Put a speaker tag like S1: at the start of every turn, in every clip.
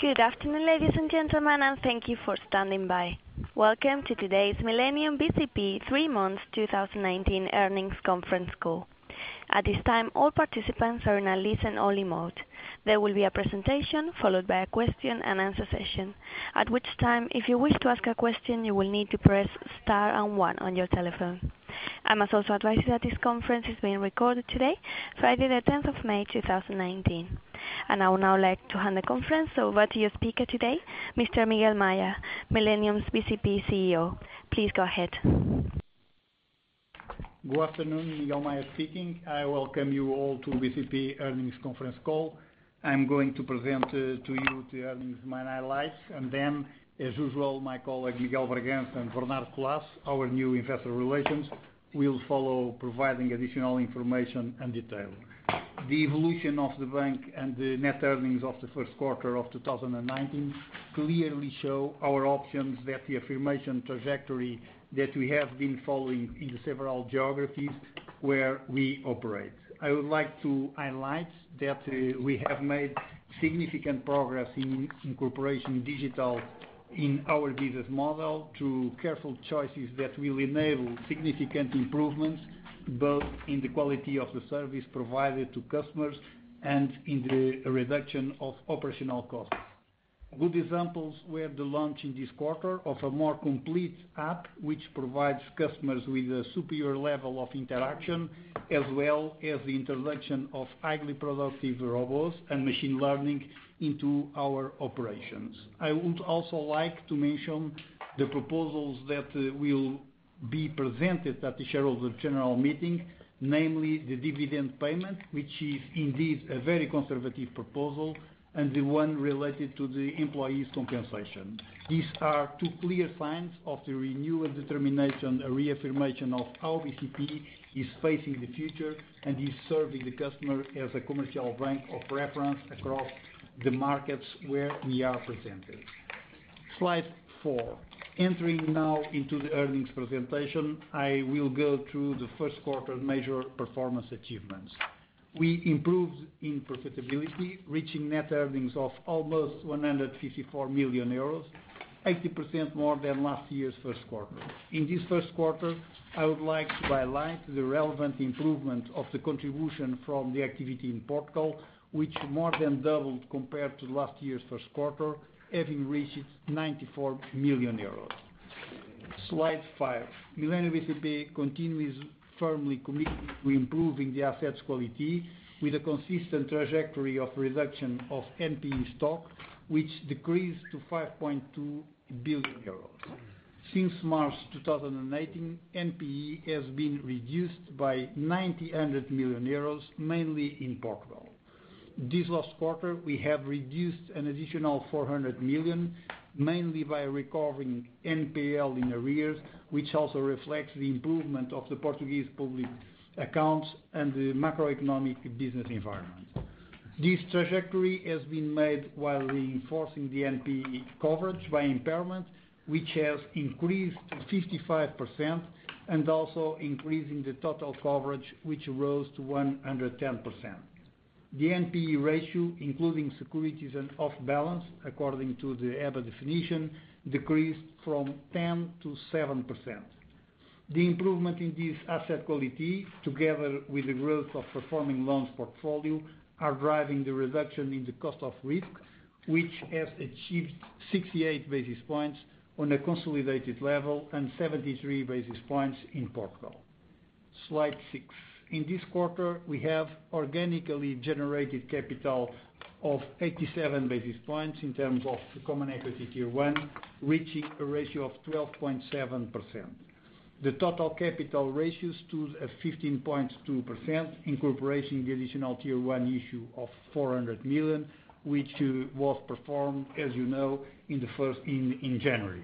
S1: Good afternoon, ladies and gentlemen, and thank you for standing by. Welcome to today's Millennium bcp three months 2019 earnings conference call. At this time, all participants are in a listen-only mode. There will be a presentation followed by a question and answer session. At which time, if you wish to ask a question, you will need to press star and one on your telephone. I must also advise you that this conference is being recorded today, Friday the 10th of May 2019. I would now like to hand the conference over to your speaker today, Mr. Miguel Maya, Millennium bcp CEO. Please go ahead.
S2: Good afternoon, Miguel Maya speaking. I welcome you all to bcp earnings conference call. Then, as usual, my colleague, Miguel Bragança and Bernardo Collaço, our new investor relations, will follow providing additional information and detail. The evolution of the bank and the net earnings of the first quarter of 2019 clearly show our options that the affirmation trajectory that we have been following in the several geographies where we operate. I would like to highlight that we have made significant progress in incorporation digital in our business model through careful choices that will enable significant improvements both in the quality of the service provided to customers and in the reduction of operational costs. Good examples were the launch in this quarter of a more complete app, which provides customers with a superior level of interaction, as well as the introduction of highly productive robots and machine learning into our operations. I would also like to mention the proposals that will be presented at the shareholders general meeting, namely the dividend payment, which is indeed a very conservative proposal, and the one related to the employees compensation. These are two clear signs of the renewed determination, a reaffirmation of how bcp is facing the future and is serving the customer as a commercial bank of reference across the markets where we are presented. Slide four. Entering now into the earnings presentation, I will go through the first quarter major performance achievements. We improved in profitability, reaching net earnings of almost 154 million euros, 80% more than last year's first quarter. In this first quarter, I would like to highlight the relevant improvement of the contribution from the activity in Portugal, which more than doubled compared to last year's first quarter, having reached 94 million euros. Slide five. Millennium bcp continues firmly committed to improving the assets quality with a consistent trajectory of reduction of NPE stock, which decreased to 5.2 billion euros. Since March 2018, NPE has been reduced by 900 million euros, mainly in Portugal. This last quarter, we have reduced an additional 400 million, mainly by recovering NPL in arrears, which also reflects the improvement of the Portuguese public accounts and the macroeconomic business environment. This trajectory has been made while reinforcing the NPE coverage by impairment, which has increased to 55%, and also increasing the total coverage, which rose to 110%. The NPE ratio, including securities and off balance, according to the EBA definition, decreased from 10% to 7%. The improvement in this asset quality, together with the growth of performing loans portfolio, are driving the reduction in the cost of risk, which has achieved 68 basis points on a consolidated level and 73 basis points in Portugal. Slide six. In this quarter, we have organically generated capital of 87 basis points in terms of the Common Equity Tier 1, reaching a ratio of 12.7%. The total capital ratio stood at 15.2%, incorporating the Additional Tier 1 issue of 400 million, which was performed, as you know, in January.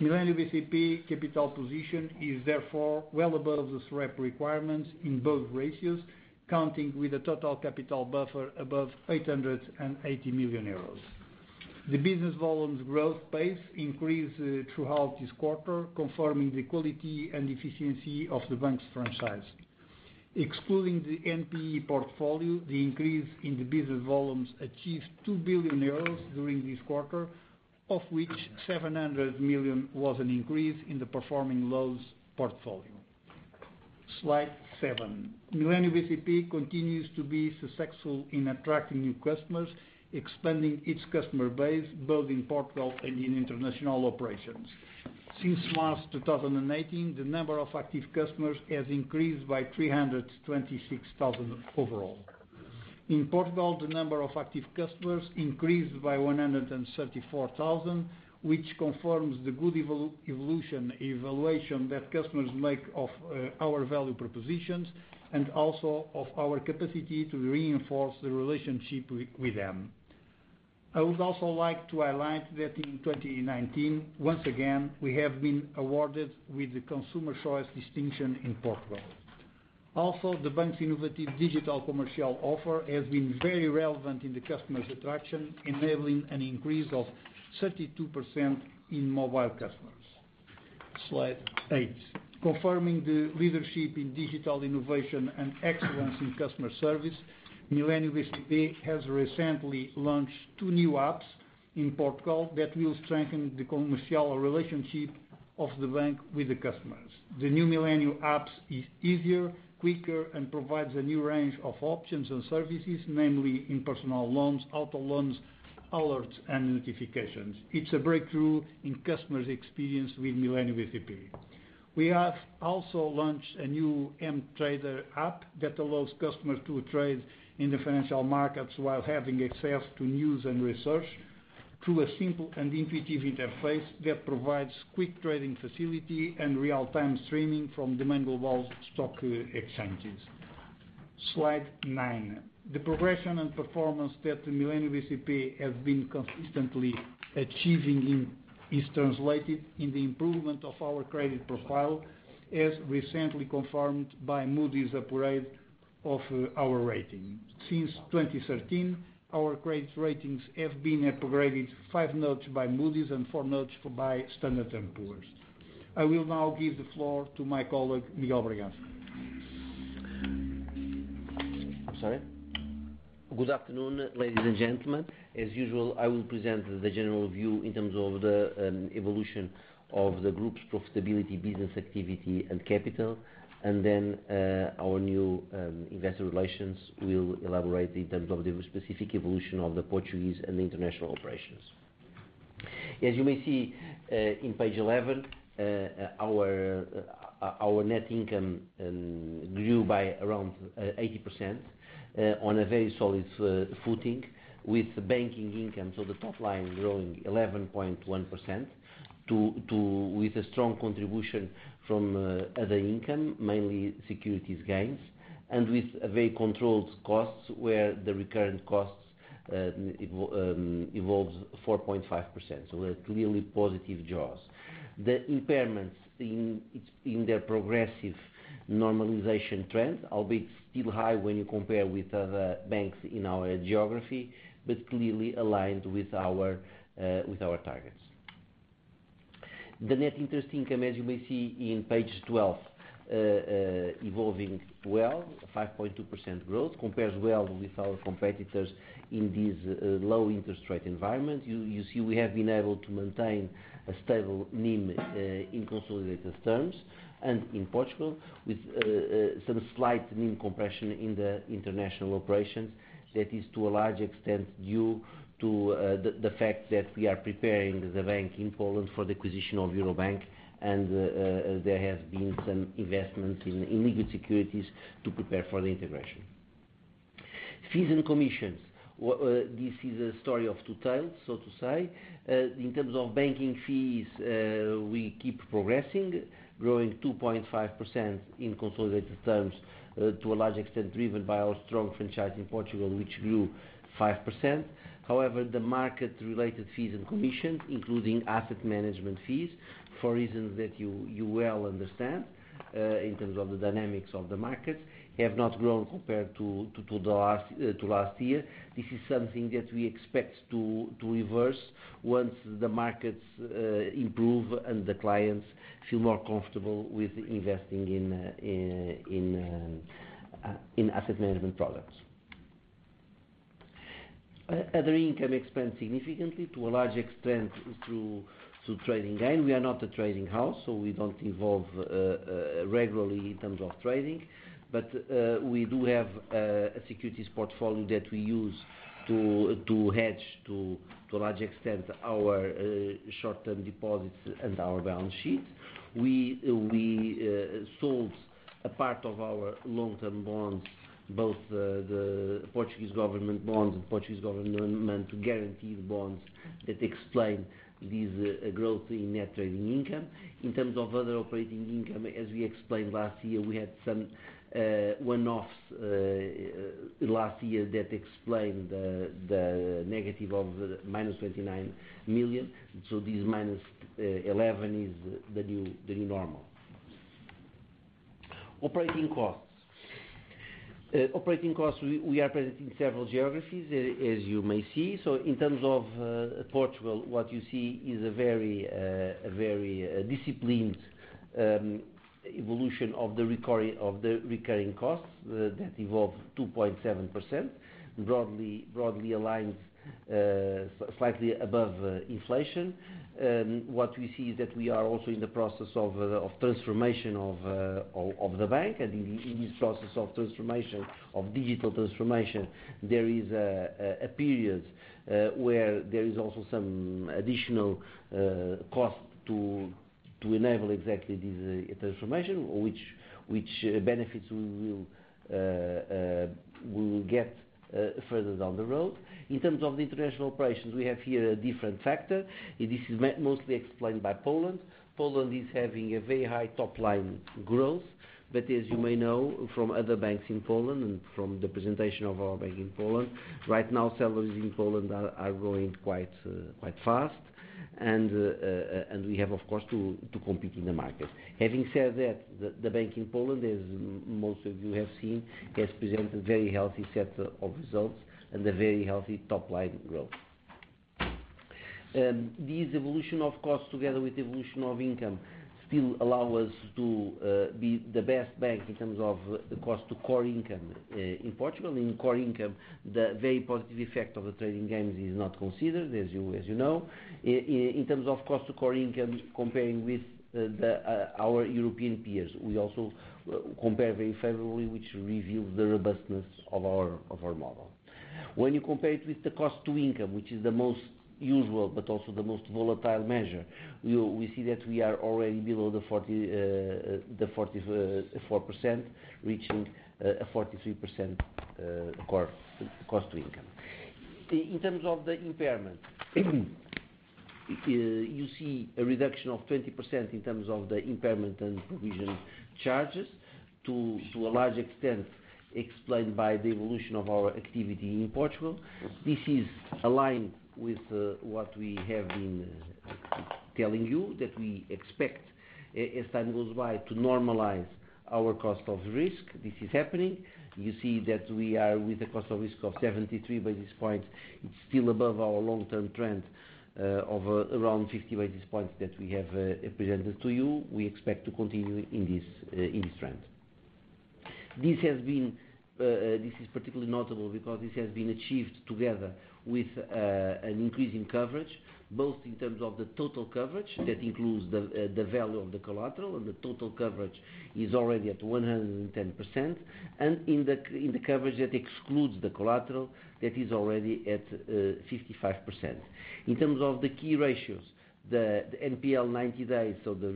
S2: Millennium bcp capital position is therefore well above the SREP requirements in both ratios, counting with a total capital buffer above 880 million euros. The business volumes growth pace increased throughout this quarter, confirming the quality and efficiency of the bank's franchise. Excluding the NPE portfolio, the increase in the business volumes achieved 2 billion euros during this quarter, of which 700 million was an increase in the performing loans portfolio. Slide seven. Millennium bcp continues to be successful in attracting new customers, expanding its customer base both in Portugal and in international operations. Since March 2018, the number of active customers has increased by 326,000 overall. In Portugal, the number of active customers increased by 134,000, which confirms the good evolution evaluation that customers make of our value propositions and also of our capacity to reinforce the relationship with them. I would also like to highlight that in 2019, once again, we have been awarded with the Consumer Choice distinction in Portugal. Also, the bank's innovative digital commercial offer has been very relevant in the customer's attraction, enabling an increase of 32% in mobile customers. Slide eight. Confirming the leadership in digital innovation and excellence in customer service, Millennium bcp has recently launched two new apps in Portugal that will strengthen the commercial relationship of the bank with the customers. The new Millennium apps is easier, quicker, and provides a new range of options and services, namely in personal loans, auto loans, alerts, and notifications. It's a breakthrough in customers' experience with Millennium bcp. We have also launched a new MTrader app that allows customers to trade in the financial markets while having access to news and research through a simple and intuitive interface that provides quick trading facility and real-time streaming from the main global stock exchanges. Slide nine. The progression and performance that the Millennium bcp has been consistently achieving is translated in the improvement of our credit profile, as recently confirmed by Moody's upgrade of our rating. Since 2013, our credit ratings have been upgraded five notches by Moody's and four notches by Standard & Poor's. I will now give the floor to my colleague, Miguel Bragança.
S3: I'm sorry. Good afternoon, ladies and gentlemen. As usual, I will present the general view in terms of the evolution of the group's profitability, business activity, and capital. Our new Investor Relations will elaborate in terms of the specific evolution of the Portuguese and the international operations. As you may see, in page 11, our net income grew by around 80% on a very solid footing with banking income. The top line growing 11.1% with a strong contribution from other income, mainly securities gains, and with very controlled costs where the recurrent costs evolves 4.5%. That's clearly positive drivers. The impairments in their progressive normalization trend, albeit still high when you compare with other banks in our geography, but clearly aligned with our targets. The net interest income, as you may see in page 12, evolving well, 5.2% growth compares well with our competitors in this low interest rate environment. You see we have been able to maintain a stable NIM in consolidated terms and in Portugal with some slight NIM compression in the international operations. That is to a large extent due to the fact that we are preparing the bank in Poland for the acquisition of Euro Bank and there has been some investment in liquid securities to prepare for the integration. Fees and commissions. This is a story of two tales, so to say. In terms of banking fees, we keep progressing, growing 2.5% in consolidated terms, to a large extent driven by our strong franchise in Portugal, which grew 5%. The market-related fees and commissions, including asset management fees, for reasons that you well understand, in terms of the dynamics of the markets, have not grown compared to last year. This is something that we expect to reverse once the markets improve and the clients feel more comfortable with investing in asset management products. Other income expands significantly to a large extent through trading gain. We are not a trading house, we don't involve regularly in terms of trading. We do have a securities portfolio that we use to hedge to a large extent our short-term deposits and our balance sheet. We sold a part of our long-term bonds, both the Portuguese government bonds and Portuguese government-guaranteed bonds that explain this growth in net trading income. In terms of other operating income, as we explained last year, we had some one-offs last year that explain the negative of the minus 29 million. This minus 11 is the new normal. Operating costs. Operating costs, we are present in several geographies, as you may see. In terms of Portugal, what you see is a very disciplined evolution of the recurring costs that evolve 2.7%, broadly aligned slightly above inflation. What we see is that we are also in the process of transformation of the bank. In this process of digital transformation, there is a period where there is also some additional cost to enable exactly this transformation, which benefits we will get further down the road. In terms of the international operations, we have here a different factor. This is mostly explained by Poland. Poland is having a very high top-line growth, as you may know from other banks in Poland and from the presentation of our bank in Poland, right now, salaries in Poland are growing quite fast. We have, of course, to compete in the market. Having said that, the bank in Poland, as most of you have seen, has presented very healthy set of results and a very healthy top-line growth. This evolution of cost together with the evolution of income still allow us to be the best bank in terms of the cost to core income in Portugal. In core income, the very positive effect of the trading gains is not considered, as you know. In terms of cost to core income, comparing with our European peers, we also compare very favorably, which reveals the robustness of our model. When you compare it with the cost to income, which is the most usual but also the most volatile measure, we see that we are already below the 44%, reaching a 43% cost to income. In terms of the impairment, you see a reduction of 20% in terms of the impairment and provision charges to a large extent explained by the evolution of our activity in Portugal. This is aligned with what we have been telling you, that we expect as time goes by to normalize our cost of risk. This is happening. You see that we are with a cost of risk of 73 basis points. It's still above our long-term trend of around 50 basis points that we have presented to you. We expect to continue in this trend. This is particularly notable because this has been achieved together with an increase in coverage, both in terms of the total coverage that includes the value of the collateral and the total coverage is already at 110%. In the coverage that excludes the collateral, that is already at 55%. In terms of the key ratios, the NPL 90 days, so the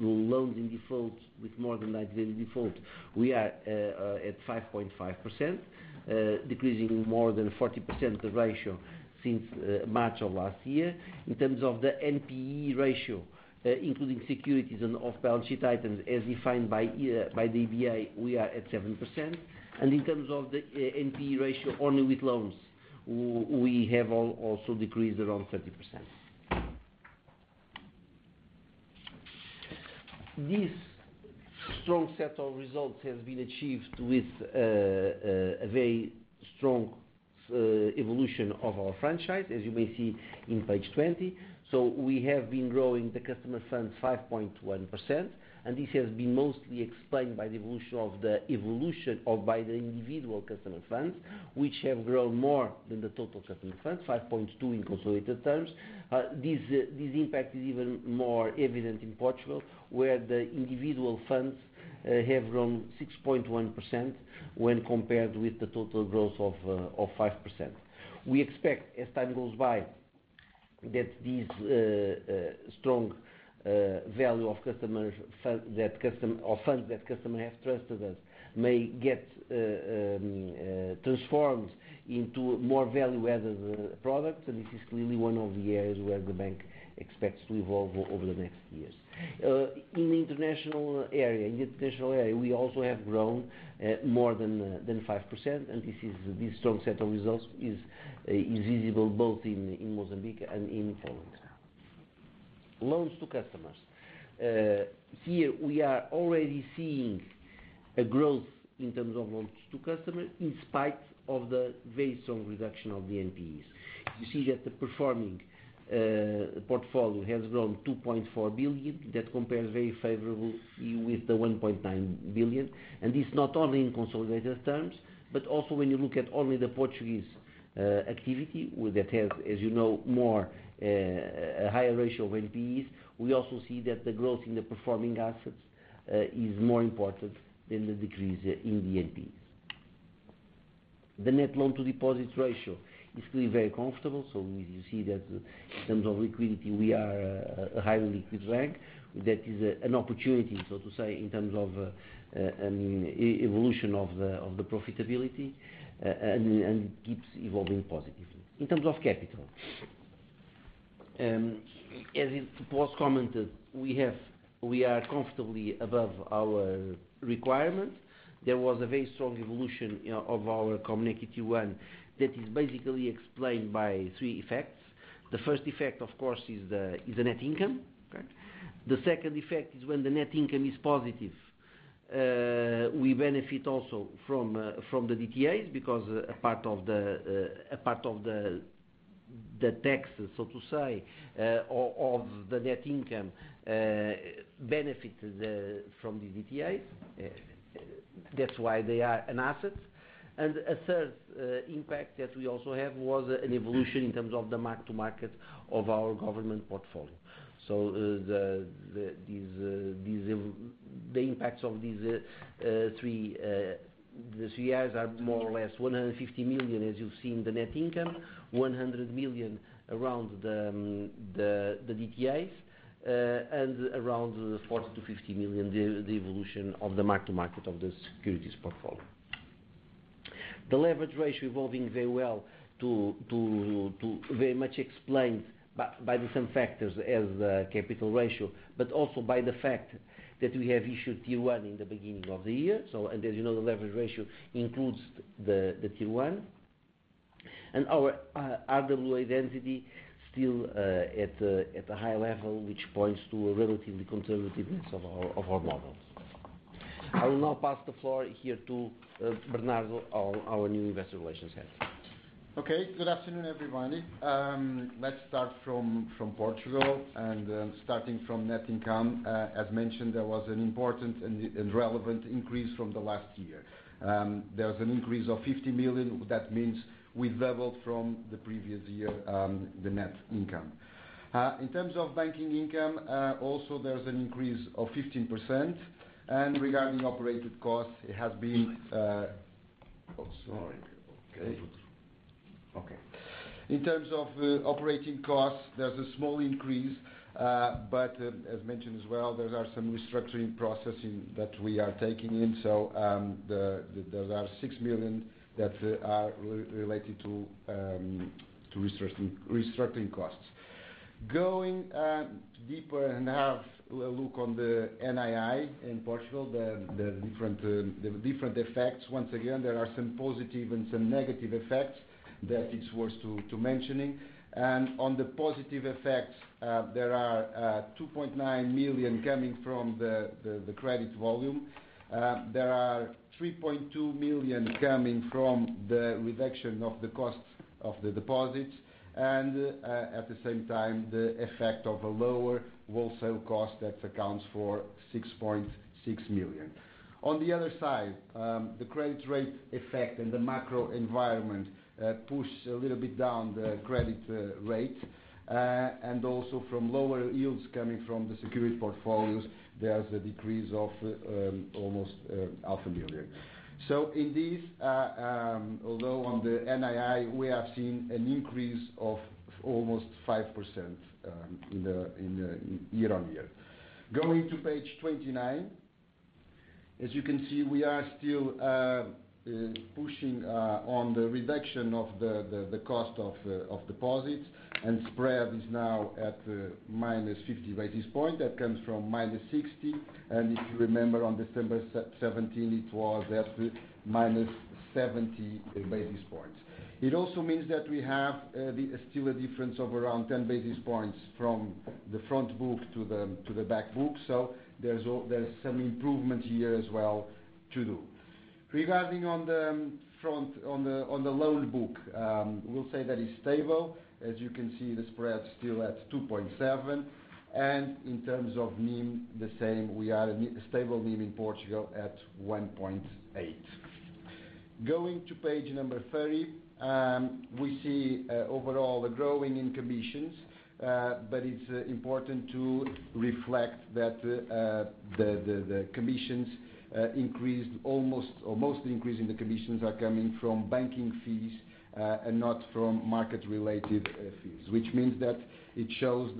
S3: loans in default with more than 90 days in default, we are at 5.5%, decreasing more than 40% the ratio since March of last year. In terms of the NPE ratio including securities and off-balance sheet items as defined by the EBA, we are at 7%. In terms of the NPE ratio only with loans, we have also decreased around 30%. This strong set of results has been achieved with a very strong evolution of our franchise, as you may see on page 20. We have been growing the customer funds 5.1%, this has been mostly explained by the evolution of by the individual customer funds, which have grown more than the total customer funds, 5.2 in consolidated terms. This impact is even more evident in Portugal, where the individual funds have grown 6.1% when compared with the total growth of 5%. We expect as time goes by that this strong value of funds that customers have trusted us may get transformed into more value-added products, this is clearly one of the areas where the bank expects to evolve over the next years. In the international area, we also have grown more than 5%, this strong set of results is visible both in Mozambique and in Poland. Loans to customers. Here we are already seeing a growth in terms of loans to customers in spite of the very strong reduction of the NPEs. You see that the performing portfolio has grown 2.4 billion. That compares very favorably with the 1.9 billion. This is not only in consolidated terms, but also when you look at only the Portuguese activity that has, as you know, a higher ratio of NPEs. We also see that the growth in the performing assets is more important than the decrease in the NPEs. The net loan to deposits ratio is still very comfortable. You see that in terms of liquidity, we are a highly liquid bank. That is an opportunity, so to say, in terms of evolution of the profitability and keeps evolving positively. In terms of capital. As it was commented, we are comfortably above our requirement. There was a very strong evolution of our Common Equity Tier 1 that is basically explained by three effects. The first effect, of course, is the net income. The second effect is when the net income is positive we benefit also from the DTAs because a part of the taxes, so to say, of the net income benefits from the DTAs. That's why they are an asset. A third impact that we also have was an evolution in terms of the mark-to-market of our government portfolio. The impacts of these three effects are more or less 150 million, as you see in the net income, 100 million around the DTAs, and around 40 million-50 million, the evolution of the mark-to-market of the securities portfolio. The leverage ratio evolving very well to very much explained by the same factors as the capital ratio, but also by the fact that we have issued Tier 1 in the beginning of the year. As you know, the leverage ratio includes the Tier 1. Our RWA density still at a high level, which points to a relatively conservativeness of our models. I will now pass the floor here to Bernardo, our new investor relations head.
S4: Okay. Good afternoon, everybody. Let's start from Portugal, and starting from net income. As mentioned, there was an important and relevant increase from the last year. There was an increase of 50 million. That means we leveled from the previous year, the net income. In terms of banking income, also there's an increase of 15%, and regarding operating costs, it has been Oh, sorry. Okay. In terms of operating costs, there's a small increase, but as mentioned as well, there are some restructuring processes that we are taking in. There are 6 million that are related to restructuring costs. Going deeper and have a look on the NII in Portugal, the different effects. Once again, there are some positive and some negative effects that it's worth to mentioning. On the positive effects, there are 2.9 million coming from the credit volume. There are 3.2 million coming from the reduction of the costs of the deposits, at the same time, the effect of a lower wholesale cost that accounts for 6.6 million. On the other side, the credit rate effect and the macro environment push a little bit down the credit rate. Also from lower yields coming from the security portfolios, there's a decrease of almost half a million. In this, although on the NII, we have seen an increase of almost 5% in the year-on-year. Going to page 29. As you can see, we are still pushing on the reduction of the cost of deposits and spread is now at minus 50 basis points. That comes from minus 60 basis points. If you remember on December 17, it was at minus 70 basis points. It also means that we have still a difference of around 10 basis points from the front book to the back book. There's some improvement here as well to do. Regarding on the front, on the loan book, we'll say that it's stable. As you can see, the spread is still at 2.7% and in terms of NIM, the same. We are at a stable NIM in Portugal at 1.8%. Going to page 30. We see overall the growing in commissions, it's important to reflect that the commissions increased almost, or most, increase in the commissions are coming from banking fees, not from market related fees, which means that it shows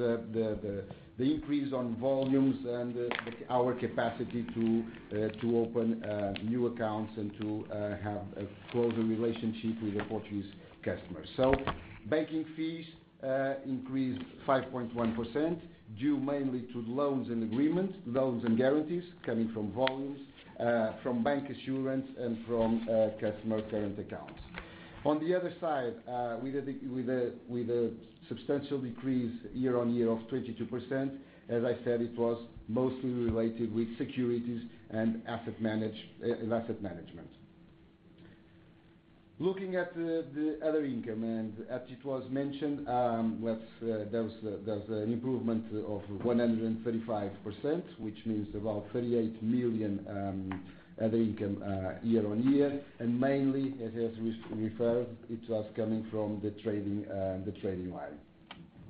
S4: the increase on volumes and our capacity to open new accounts and to have a closer relationship with the Portuguese customers. Banking fees increased 5.1%, due mainly to loans and agreements, loans and guarantees coming from volumes, from bancassurance and from customer current accounts. On the other side, with a substantial decrease year-on-year of 22%, as I said, it was mostly related with securities and asset management. Looking at the other income, as it was mentioned, there was an improvement of 135%, which means about 38 million other income year-on-year. Mainly as referred, it was coming from the trading line.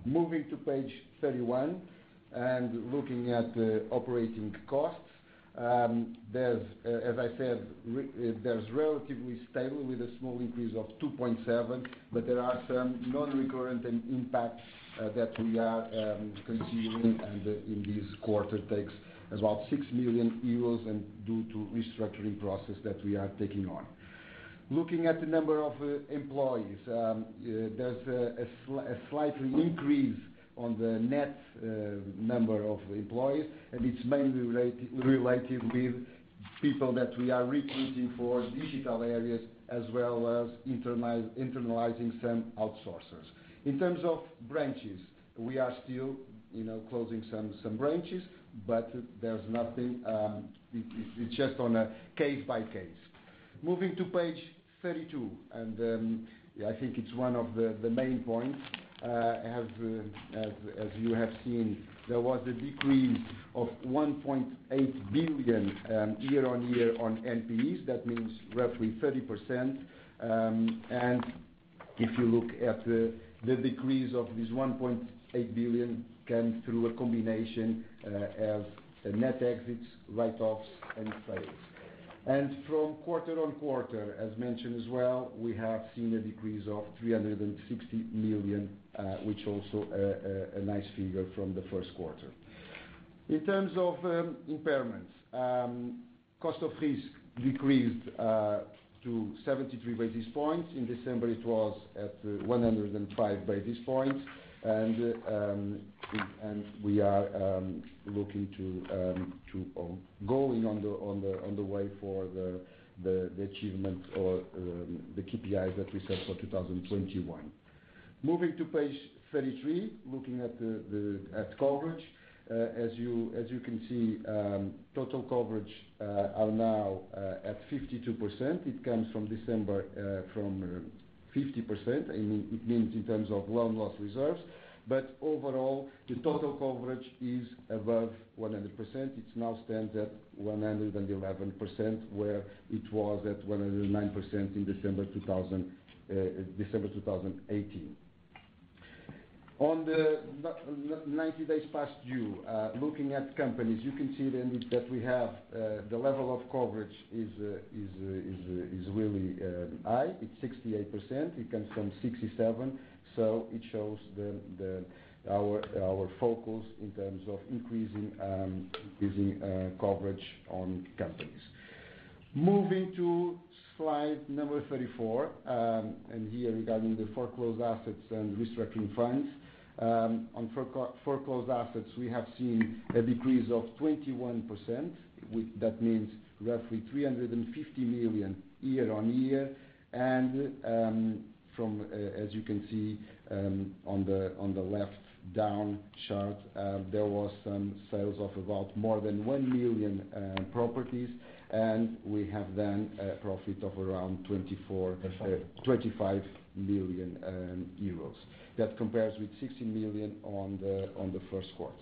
S4: Moving to page 31 and looking at the operating costs. As I said, there's relatively stable with a small increase of 2.7%, there are some non-recurrent impacts that we are considering and in this quarter takes about 6 million euros due to restructuring process that we are taking on. Looking at the number of employees. There's a slight increase on the net number of employees and it's mainly related with people that we are recruiting for digital areas as well as internalizing some outsourcers. In terms of branches, we are still closing some branches, there's nothing, it's just on a case by case. Moving to page 32, I think it's one of the main points. As you have seen, there was a decrease of 1.8 billion year-on-year on NPEs. That means roughly 30%. If you look at the decrease of this 1.8 billion came through a combination of net exits, write-offs and sales. From quarter-on-quarter, as mentioned as well, we have seen a decrease of 360 million, which also a nice figure from the first quarter. In terms of impairments. Cost of risk decreased to 73 basis points. In December it was at 105 basis points. We are looking to going on the way for the achievement or the KPIs that we set for 2021. Moving to page 33, looking at coverage. As you can see, total coverage are now at 52%. It comes from December from 50%, it means in terms of loan loss reserves. Overall, the total coverage is above 100%. It now stands at 111%, where it was at 109% in December 2018. On the 90 days past due, looking at companies, you can see then that we have the level of coverage is really high. It's 68%. It comes from 67%. It shows our focus in terms of increasing coverage on companies. Moving to slide number 34, here regarding the foreclosed assets and restructuring funds. On foreclosed assets, we have seen a decrease of 21%, that means roughly 350 million year-on-year. As you can see on the left down chart, there was some sales of about more than 1 million properties, and we have then a profit of around 25 million euros. That compares with 16 million on the first quarter.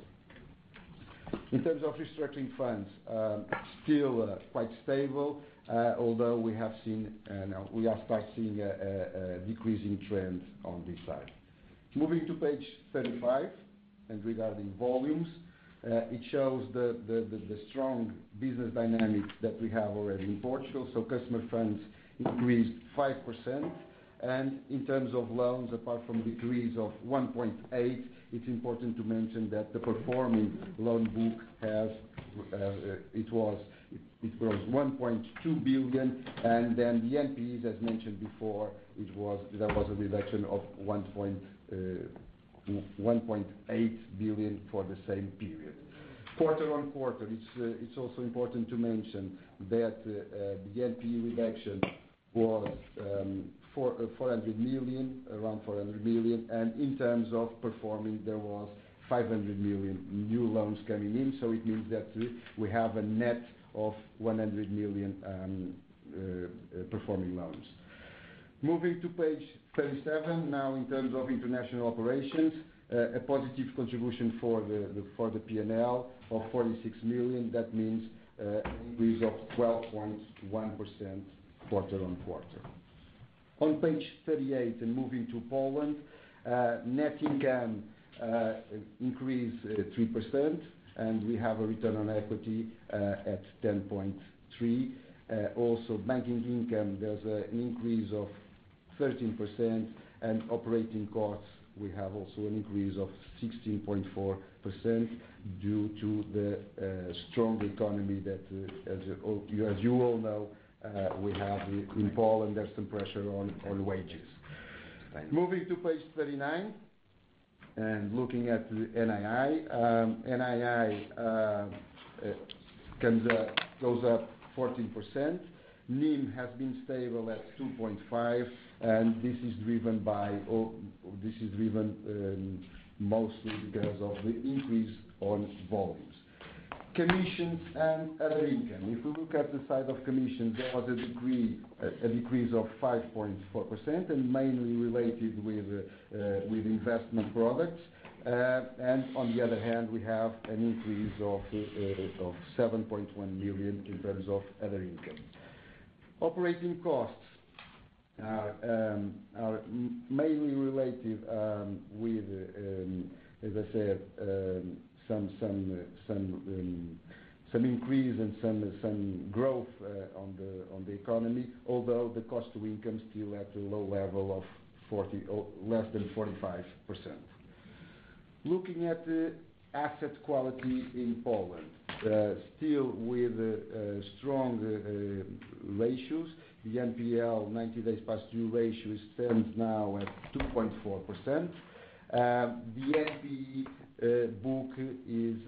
S4: In terms of restructuring funds, still quite stable, although we are starting to see a decreasing trend on this side. Moving to page 35 regarding volumes. It shows the strong business dynamics that we have already in Portugal. Customer funds increased 5%. In terms of loans, apart from decrease of 1.8 billion, it's important to mention that the performing loan book, it was 1.2 billion, and then the NPEs, as mentioned before, there was a reduction of 1.8 billion for the same period. Quarter-on-quarter, it's also important to mention that the NPE reduction was around 400 million. In terms of performing, there was 500 million new loans coming in. It means that we have a net of 100 million performing loans. Moving to page 37 now in terms of international operations. A positive contribution for the P&L of 46 million. That means an increase of 12.1% quarter-on-quarter. On page 38 moving to Poland. Net income increased 3% and we have a return on equity at 10.3%. Also banking income, there's an increase of 13%, and operating costs we have also an increase of 16.4% due to the strong economy that as you all know, we have in Poland, there's some pressure on wages. Moving to page 39 looking at the NII. NII goes up 14%. NIM has been stable at 2.5% and this is driven mostly because of the increase on volumes. Commissions and other income. If we look at the side of commissions, there was a decrease of 5.4% and mainly related with investment products. On the other hand, we have an increase of 7.1 million in terms of other income. Operating costs are mainly related with, as I said, some increase and some growth on the economy although the cost to income is still at a low level of less than 45%. Looking at the asset quality in Poland. Still with strong ratios. The NPL 90 days past due ratio stands now at 2.4%. The NPE book is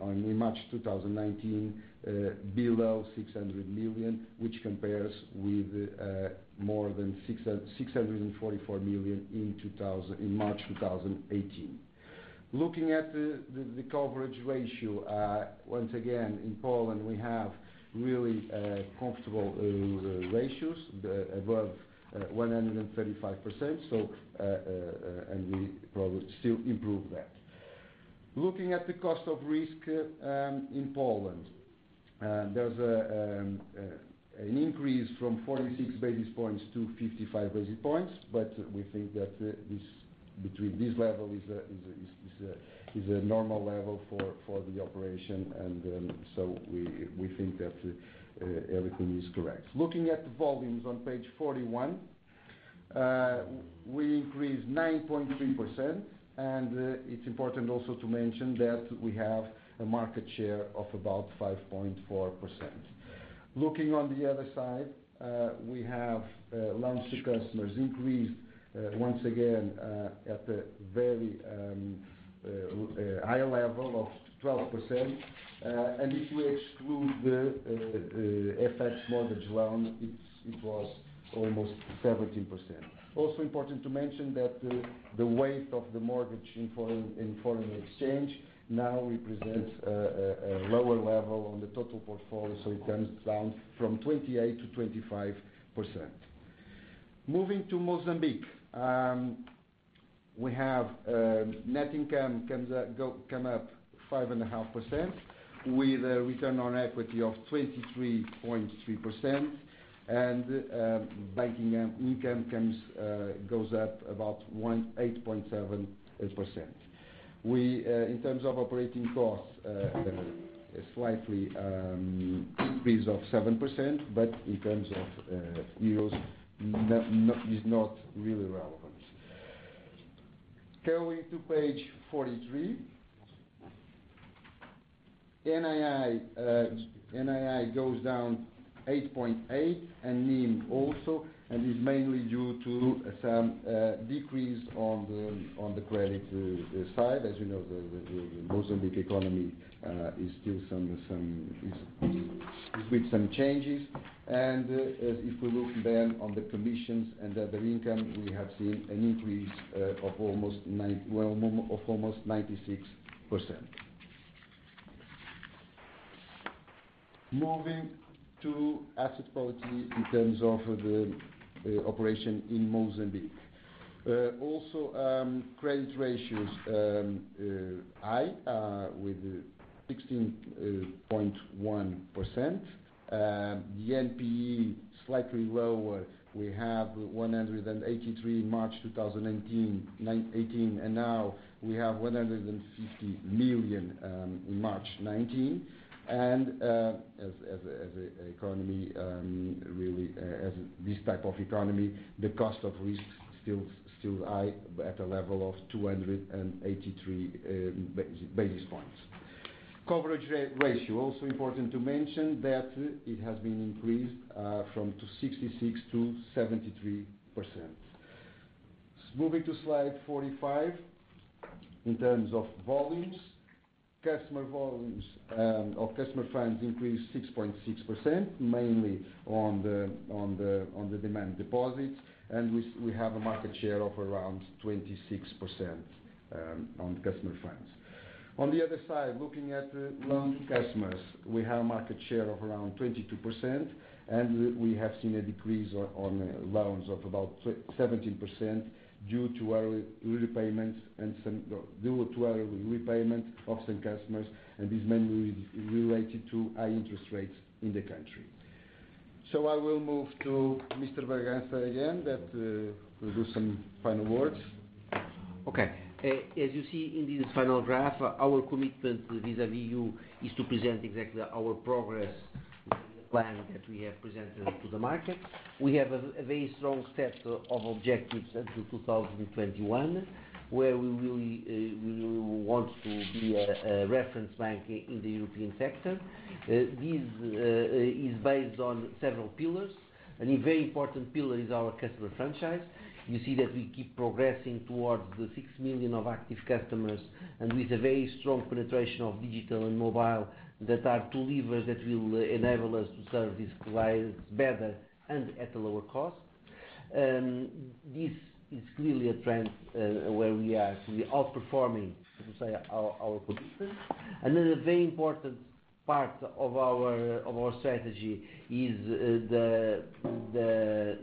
S4: on March 2019, below 600 million, which compares with more than 644 million in March 2018. Looking at the coverage ratio, once again, in Poland, we have really comfortable ratios above 135%, and we probably still improve that. Looking at the cost of risk in Poland. There is an increase from 46 basis points to 55 basis points, but we think that between this level is a normal level for the operation and we think that everything is correct. Looking at the volumes on page 41. We increased 9.3% and it is important also to mention that we have a market share of about 5.4%. Looking on the other side, we have loans to customers increased once again at the very high level of 12%. If we exclude the FX mortgage loan, it was almost 17%. Also important to mention that the weight of the mortgage in foreign exchange now represents a lower level on the total portfolio. It comes down from 28% to 25%. Moving to Mozambique. We have net income come up 5.5% with a return on equity of 23.3%, and banking income goes up about 8.7%. In terms of operating costs, a slight increase of 7%, but in terms of EUR is not really relevant. Going to page 43. NII goes down 8.8% and NIM also, and is mainly due to some decrease on the credit side. As you know, the Mozambique economy is with some changes. If we look then on the commissions and other income, we have seen an increase of almost 96%. Moving to asset quality in terms of the operation in Mozambique. Also, credit ratios are high with 16.1%. The NPE slightly lower. We have 183 million March 2018, and now we have 150 million in March 2019. As this type of economy, the cost of risk still high at a level of 283 basis points. Coverage ratio, also important to mention that it has been increased from 66% to 73%. Moving to slide 45. In terms of volumes, customer volumes of customer funds increased 6.6%, mainly on the demand deposits. We have a market share of around 26% on customer funds. On the other side, looking at loans to customers, we have a market share of around 22%, and we have seen a decrease on loans of about 17% due to early repayments of some customers, and is mainly related to high interest rates in the country. I will move to Mr. Bragança again that will do some final words.
S3: Okay. As you see in this final graph, our commitment vis-à-vis you is to present exactly our progress plan that we have presented to the market. We have a very strong set of objectives until 2021, where we really want to be a reference bank in the European sector. This is based on several pillars. A very important pillar is our customer franchise. You see that we keep progressing towards the 6 million of active customers and with a very strong penetration of digital and mobile that are two levers that will enable us to serve these clients better and at a lower cost. This is clearly a trend where we are outperforming, let me say, our competitors. Another very important part of our strategy is the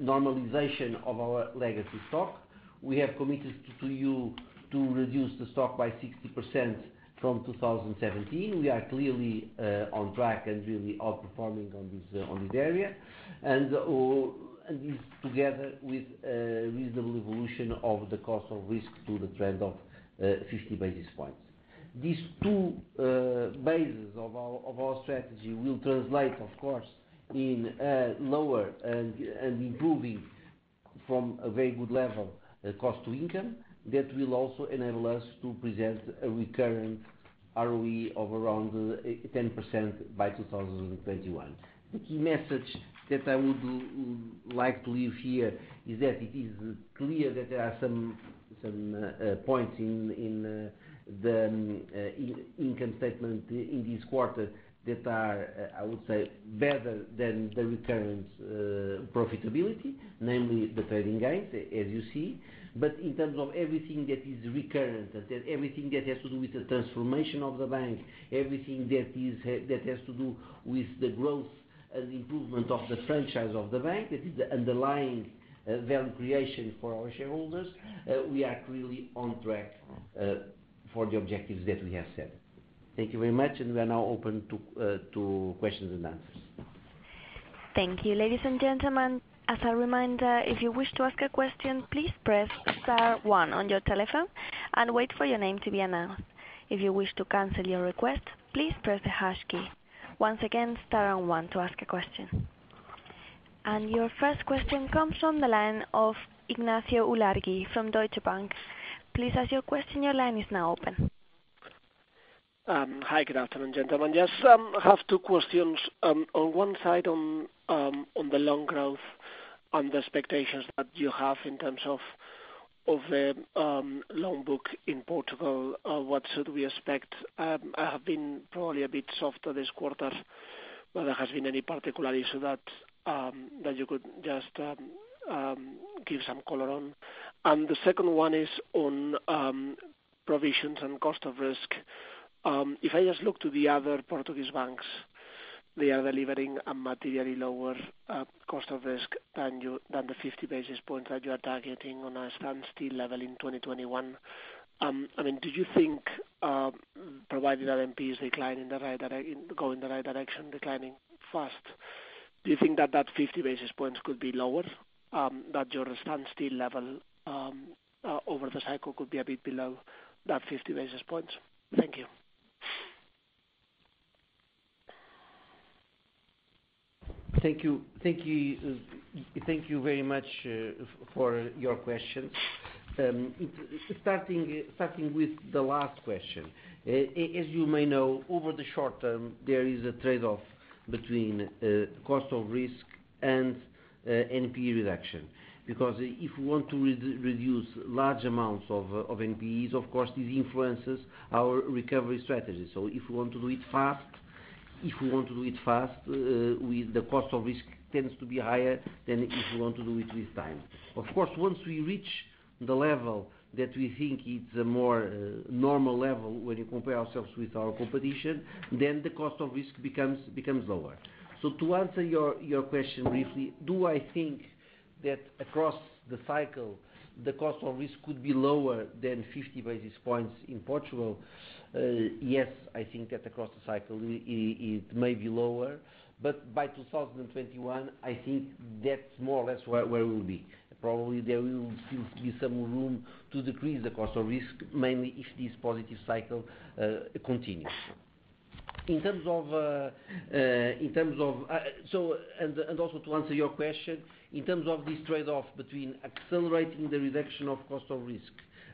S3: normalization of our legacy stock. We have committed to you to reduce the stock by 60% from 2017. We are clearly on track and really outperforming on this area. This together with reasonable evolution of the cost of risk to the trend of 50 basis points. These two bases of our strategy will translate, of course, in lower and improving from a very good level cost to income that will also enable us to present a recurrent ROE of around 10% by 2021. The key message that I would like to leave here is that it is clear that there are some points in the income statement in this quarter that are, I would say, better than the recurrent profitability, namely the trading gains, as you see. In terms of everything that is recurrent, everything that has to do with the transformation of the bank, everything that has to do with the growth and improvement of the franchise of the bank, that is the underlying value creation for our shareholders. We are clearly on track for the objectives that we have set. Thank you very much. We are now open to questions and answers.
S1: Thank you. Ladies and gentlemen, as a reminder, if you wish to ask a question, please press star one on your telephone and wait for your name to be announced. If you wish to cancel your request, please press the hash key. Once again, star and one to ask a question. Your first question comes from the line of Ignacio Ulargui from Deutsche Bank. Please ask your question, your line is now open.
S5: Hi, good afternoon, gentlemen. Yes, I have two questions. On one side, on the loan growth and the expectations that you have in terms of the loan book in Portugal, what should we expect? It has been probably a bit softer this quarter. There has been any particular issue that you could just give some color on. The second one is on provisions and cost of risk. If I just look to the other Portuguese banks, they are delivering a materially lower cost of risk than the 50 basis points that you are targeting on a standstill level in 2021. Do you think, provided that NPE is declining, going the right direction, declining fast, do you think that that 50 basis points could be lower, that your standstill level over the cycle could be a bit below that 50 basis points? Thank you.
S3: Thank you very much for your question. Starting with the last question. As you may know, over the short term, there is a trade-off between cost of risk and NPE reduction. If we want to reduce large amounts of NPEs, of course, this influences our recovery strategy. If we want to do it fast, the cost of risk tends to be higher than if we want to do it with time. Of course, once we reach the level that we think it's a more normal level when you compare ourselves with our competition, the cost of risk becomes lower. To answer your question briefly, do I think that across the cycle, the cost of risk could be lower than 50 basis points in Portugal? Yes, I think that across the cycle, it may be lower, by 2021, I think that's more or less where we'll be. Probably there will still be some room to decrease the cost of risk, mainly if this positive cycle continues. Also to answer your question, in terms of this trade-off between accelerating the reduction of cost of risk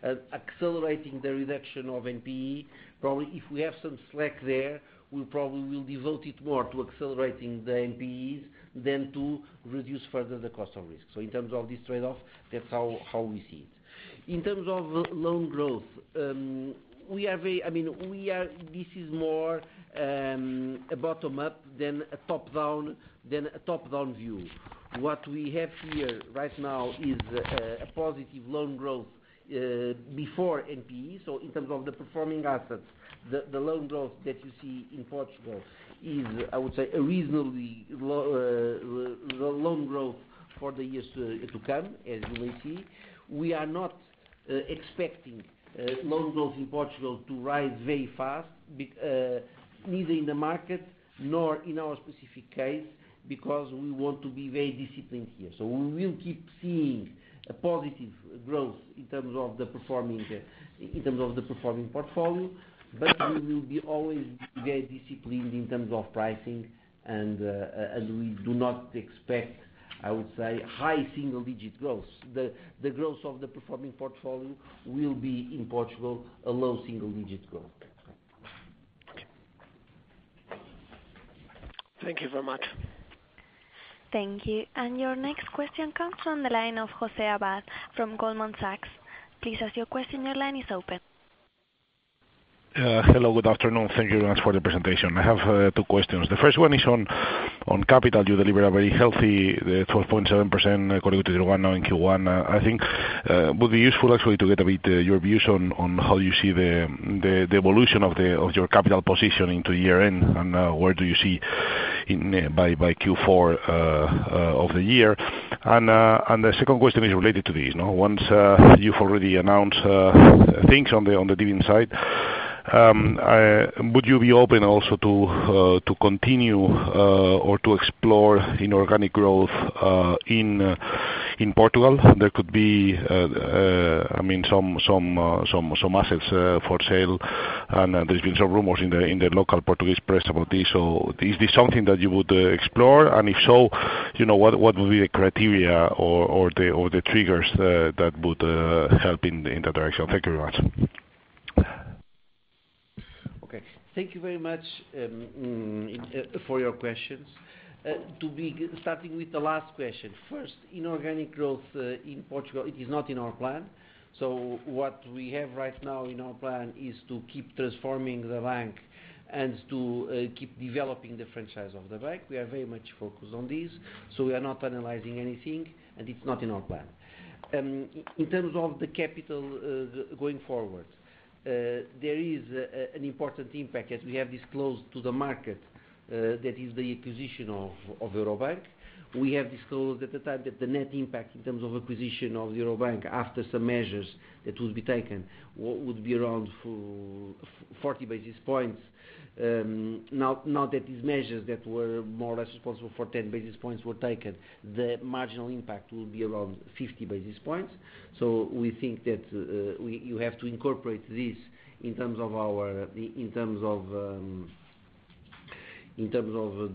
S3: and accelerating the reduction of NPE, probably if we have some slack there, we probably will devote it more to accelerating the NPEs than to reduce further the cost of risk. In terms of this trade-off, that's how we see it. In terms of loan growth, this is more, a bottom-up than a top-down view. What we have here right now is a positive loan growth, before NPE. In terms of the performing assets, the loan growth that you see in Portugal is, I would say, a reasonably low loan growth for the years to come, as you may see. We are not expecting loan growth in Portugal to rise very fast, neither in the market nor in our specific case, we want to be very disciplined here. We will keep seeing a positive growth in terms of the performing portfolio, we will be always very disciplined in terms of pricing and we do not expect, I would say, high single-digit growth. The growth of the performing portfolio will be, in Portugal, a low single-digit growth.
S5: Okay. Thank you very much.
S1: Thank you. Your next question comes from the line of José Abad from Goldman Sachs. Please ask your question, your line is open.
S6: Hello, good afternoon. Thank you very much for the presentation. I have two questions. The first one is on capital. You deliver a very healthy 12.7% CET1 now in Q1. I think it would be useful actually to get a bit your views on how you see the evolution of your capital position into year-end, and where do you see by Q4 of the year. The second question is related to this. Once you've already announced things on the dividend side, would you be open also to continue or to explore inorganic growth in Portugal? There could be some assets for sale, and there's been some rumors in the local Portuguese press about this. Is this something that you would explore? If so, what would be the criteria or the triggers that would help in that direction? Thank you very much.
S3: Okay. Thank you very much for your questions. Starting with the last question. First, inorganic growth in Portugal, it is not in our plan. What we have right now in our plan is to keep transforming the bank and to keep developing the franchise of the bank. We are very much focused on this, we are not analyzing anything, and it's not in our plan. In terms of the capital going forward, there is an important impact, as we have disclosed to the market, that is the acquisition of Euro Bank. We have disclosed at the time that the net impact in terms of acquisition of Euro Bank, after some measures that will be taken, would be around 40 basis points. Now that these measures that were more or less responsible for 10 basis points were taken, the marginal impact will be around 50 basis points. We think that you have to incorporate this in terms of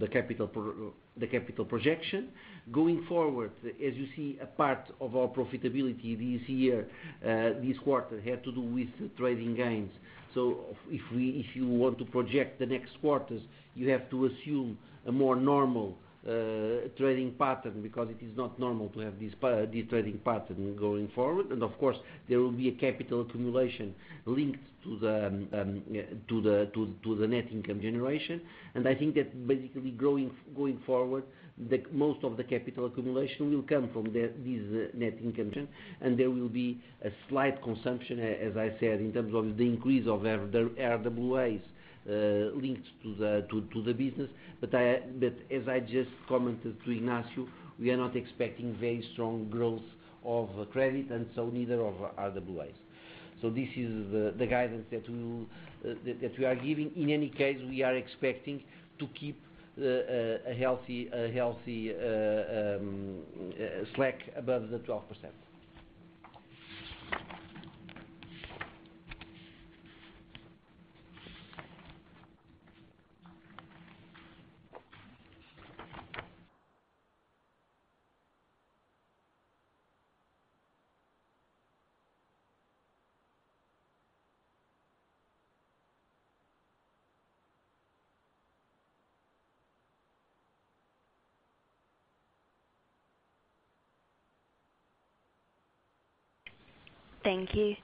S3: the capital projection. Going forward, as you see, a part of our profitability this year, this quarter, had to do with trading gains. If you want to project the next quarters, you have to assume a more normal trading pattern, because it is not normal to have this trading pattern going forward. Of course, there will be a capital accumulation linked to the net income generation. I think that basically going forward, most of the capital accumulation will come from these net income gen, and there will be a slight consumption, as I said, in terms of the increase of RWAs linked to the business. But as I just commented to Ignacio, we are not expecting very strong growth of credit and neither are RWAs. This is the guidance that we are giving. In any case, we are expecting to keep a healthy slack above the 12%.
S1: Thank you.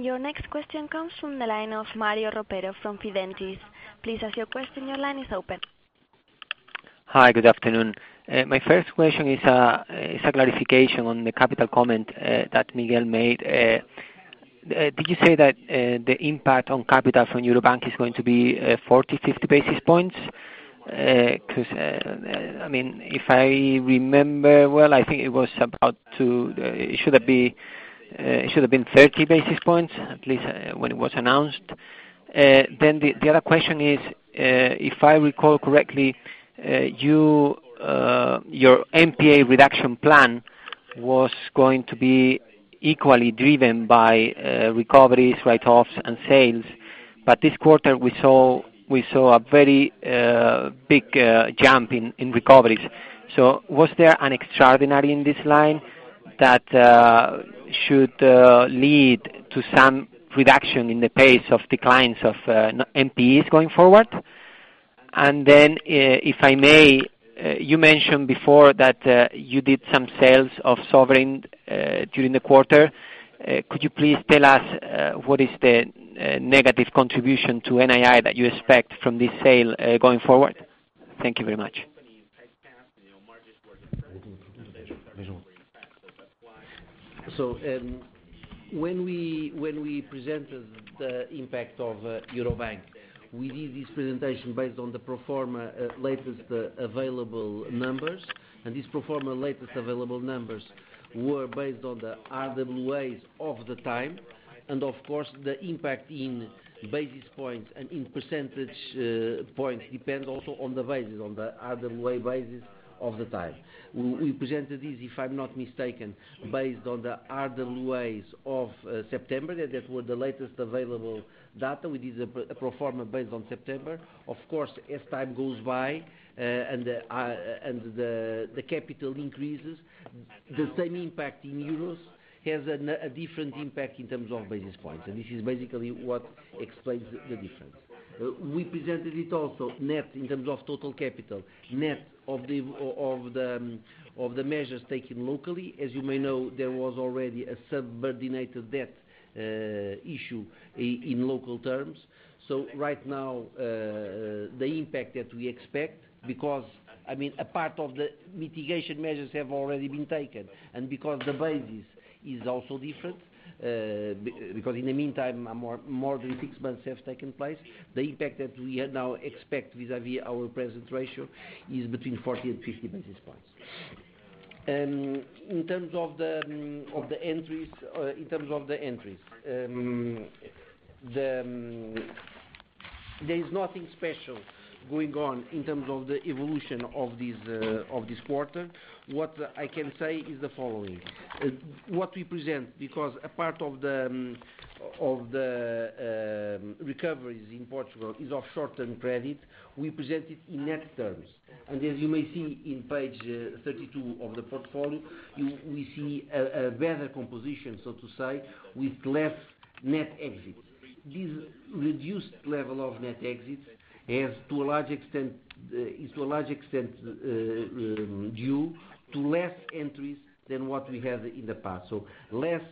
S1: Your next question comes from the line of Mario Ropero from Fidentiis. Please ask your question. Your line is open.
S7: Hi, good afternoon. My first question is a clarification on the capital comment that Miguel made. Did you say that the impact on capital from Eurobank is going to be 40, 50 basis points? If I remember well, I think it should have been 30 basis points, at least when it was announced. The other question is, if I recall correctly, your NPA reduction plan was going to be equally driven by recoveries, write-offs and sales. This quarter we saw a very big jump in recoveries. Was there an extraordinary in this line that should lead to some reduction in the pace of declines of NPEs going forward? If I may, you mentioned before that you did some sales of sovereign during the quarter. Could you please tell us what is the negative contribution to NII that you expect from this sale going forward? Thank you very much.
S3: When we presented the impact of Euro Bank, we did this presentation based on the pro forma latest available numbers. These pro forma latest available numbers were based on the RWAs of the time. Of course, the impact in basis points and in percentage points depends also on the basis, on the RWA basis of the time. We presented this, if I'm not mistaken, based on the RWAs of September. That were the latest available data. We did a pro forma based on September. Of course, as time goes by, and the capital increases, the same impact in euros has a different impact in terms of basis points. This is basically what explains the difference. We presented it also net in terms of total capital, net of the measures taken locally. As you may know, there was already a subordinated debt issue in local terms. Right now, the impact that we expect, because a part of the mitigation measures have already been taken, and because the basis is also different, because in the meantime, more than six months have taken place. The impact that we now expect vis-a-vis our present ratio is between 40 and 50 basis points. In terms of the entries, there is nothing special going on in terms of the evolution of this quarter. What I can say is the following. What we present, because a part of the recoveries in Portugal is of short-term credit, we present it in net terms. As you may see on page 32 of the portfolio, we see a better composition, so to say, with less net exits. This reduced level of net exits is to a large extent due to less entries than what we had in the past. Less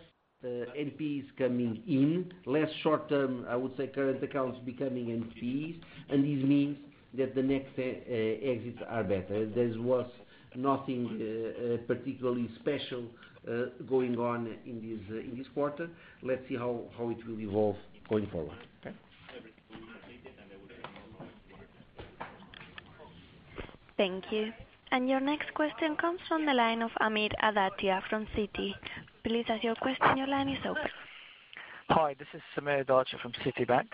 S3: NPEs coming in, less short-term, I would say, current accounts becoming NPEs, this means that the net exits are better. There was nothing particularly special going on in this quarter. Let's see how it will evolve going forward. Okay.
S1: Thank you. Your next question comes from the line of Sameer Adatia from Citi. Please ask your question, your line is open.
S8: Hi, this is Sameer Adatia from Citibank.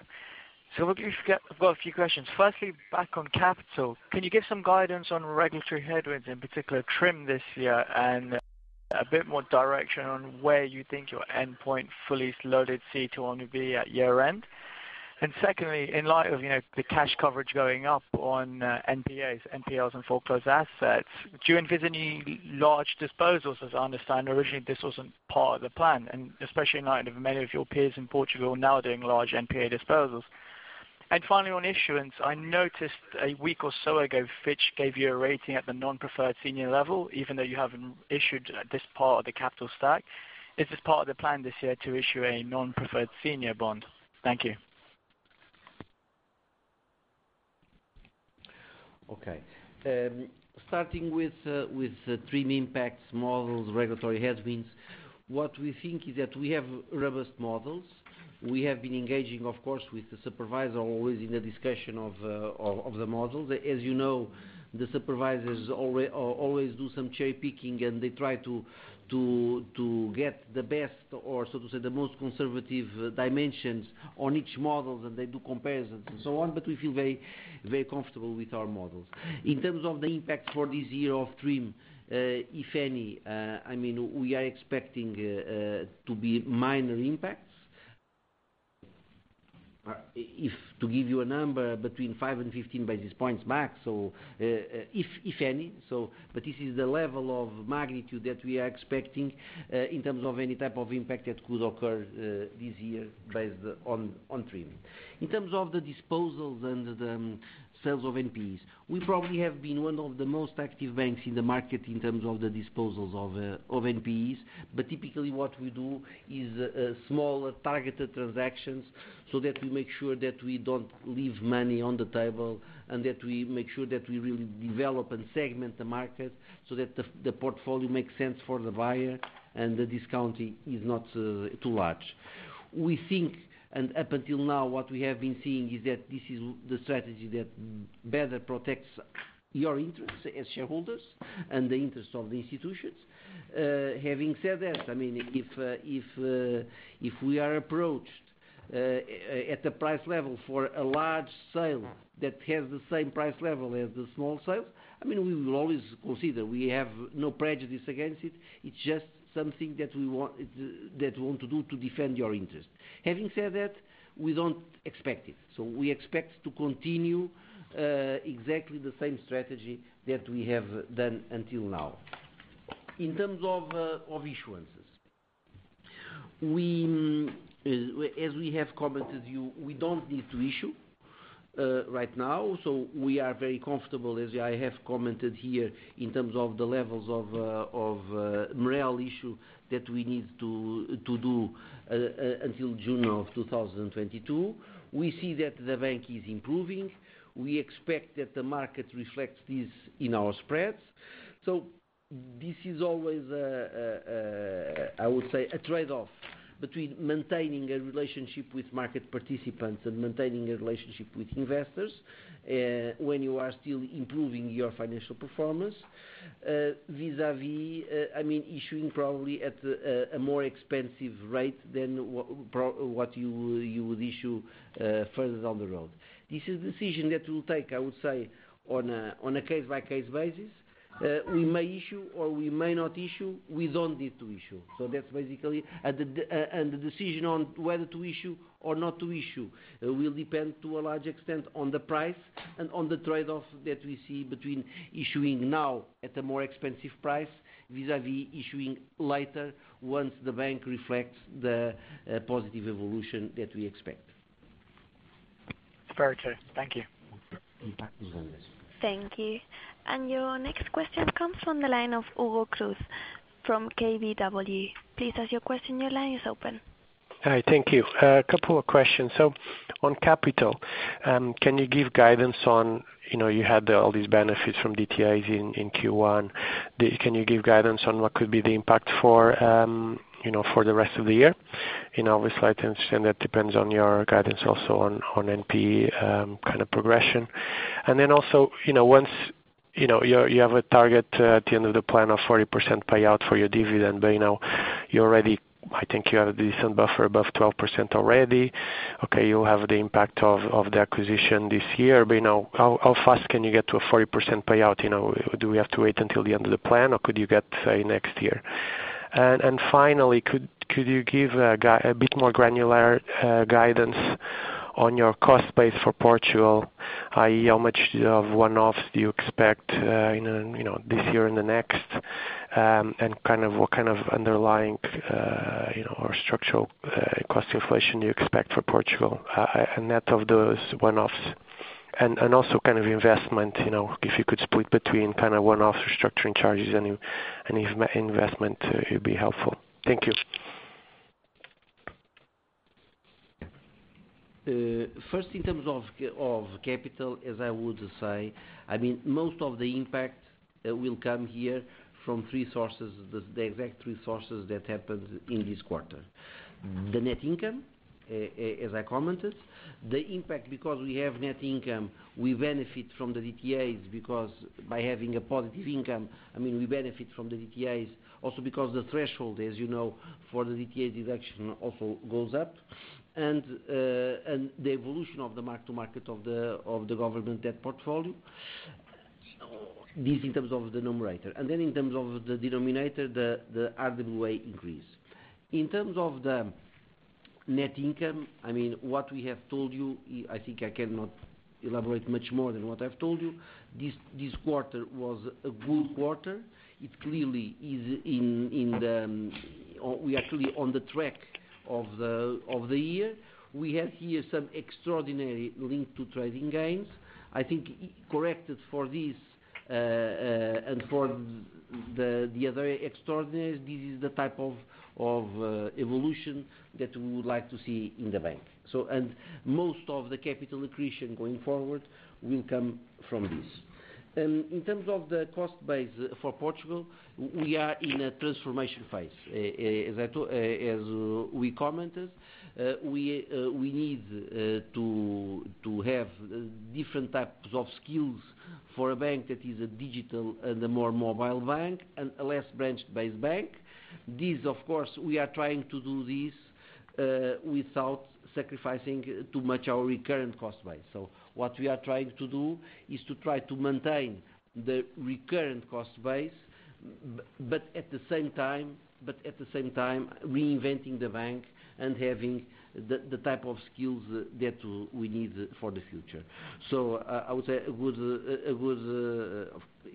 S8: I've got a few questions. Firstly, back on capital. Can you give some guidance on regulatory headwinds, in particular TRIM this year and a bit more direction on where you think your endpoint fully loaded CET1 will be at year-end? Secondly, in light of the cash coverage going up on NPAs, NPLs, and foreclosed assets, do you envisage any large disposals? As I understand, originally, this wasn't part of the plan, and especially in light of many of your peers in Portugal now doing large NPA disposals. Finally, on issuance, I noticed a week or so ago, Fitch gave you a rating at the non-preferred senior level, even though you haven't issued this part of the capital stack. Is this part of the plan this year to issue a non-preferred senior bond? Thank you.
S3: Okay. Starting with TRIM impacts models, regulatory headwinds. What we think is that we have robust models. We have been engaging, of course, with the supervisor, always in the discussion of the models. As you know, the supervisors always do some cherry-picking, and they try to get the best or so to say, the most conservative dimensions on each model, and they do comparisons and so on, but we feel very comfortable with our models. In terms of the impact for this year of TRIM, if any, we are expecting to be minor impacts. If to give you a number between 5 and 15 basis points max, if any. This is the level of magnitude that we are expecting in terms of any type of impact that could occur this year based on TRIMing. In terms of the disposals and the sales of NPEs, we probably have been one of the most active banks in the market in terms of the disposals of NPEs. Typically what we do is smaller targeted transactions so that we make sure that we don't leave money on the table and that we make sure that we really develop and segment the market so that the portfolio makes sense for the buyer and the discounting is not too large. We think, up until now, what we have been seeing is that this is the strategy that better protects your interests as shareholders and the interests of the institutions. Having said that, if we are approached at the price level for a large sale that has the same price level as the small sales, we will always consider. We have no prejudice against it. It's just something that we want to do to defend your interest. Having said that, we don't expect it. We expect to continue exactly the same strategy that we have done until now. In terms of issuances, as we have commented you, we don't need to issue right now. We are very comfortable, as I have commented here, in terms of the levels of MREL issue that we need to do until June of 2022. We see that the bank is improving. We expect that the market reflects this in our spreads. This is always, I would say, a trade-off between maintaining a relationship with market participants and maintaining a relationship with investors, when you are still improving your financial performance, vis-a-vis, issuing probably at a more expensive rate than what you would issue further down the road. This is a decision that we'll take, I would say, on a case-by-case basis. We may issue or we may not issue, we don't need to issue. The decision on whether to issue or not to issue will depend to a large extent on the price and on the trade-offs that we see between issuing now at a more expensive price, vis-a-vis issuing later once the bank reflects the positive evolution that we expect.
S8: Fair, Chair. Thank you.
S3: Impact analysis.
S1: Thank you. Your next question comes from the line of Hugo Cruz from KBW. Please ask your question. Your line is open.
S9: Hi, thank you. A couple of questions. On capital, can you give guidance on, you had all these benefits from DTAs in Q1. Can you give guidance on what could be the impact for the rest of the year? Obviously, I understand that depends on your guidance also on NPE kind of progression. Then also, once you have a target at the end of the plan of 40% payout for your dividend, but you know you already, I think you have a decent buffer above 12% already. Okay, you have the impact of the acquisition this year, but how fast can you get to a 40% payout? Do we have to wait until the end of the plan, or could you get, say, next year? Finally, could you give a bit more granular guidance on your cost base for Portugal, i.e., how much of one-offs do you expect this year and the next? What kind of underlying structural cost inflation do you expect for Portugal? A net of those one-offs. Also investment, if you could split between one-off restructuring charges and investment, it'd be helpful. Thank you.
S3: First, in terms of capital, as I would say, most of the impact will come here from three sources, the exact three sources that happened in this quarter. The net income, as I commented, the impact because we have net income, we benefit from the DTAs because by having a positive income, we benefit from the DTAs also because the threshold, as you know, for the DTA deduction also goes up. The evolution of the mark to market of the government debt portfolio. This in terms of the numerator. Then in terms of the denominator, the RWA increase. In terms of the net income, what we have told you, I think I cannot elaborate much more than what I've told you. This quarter was a good quarter. We are actually on the track of the year. We have here some extraordinary link to trading gains. I think corrected for this and for the other extraordinary, this is the type of evolution that we would like to see in the bank. Most of the capital accretion going forward will come from this. In terms of the cost base for Portugal, we are in a transformation phase. As we commented, we need to have different types of skills for a bank that is a digital and a more mobile bank and a less branch-based bank. This, of course, we are trying to do this without sacrificing too much our recurrent cost base. What we are trying to do is to try to maintain the recurrent cost base, but at the same time reinventing the bank and having the type of skills that we need for the future. I would say it would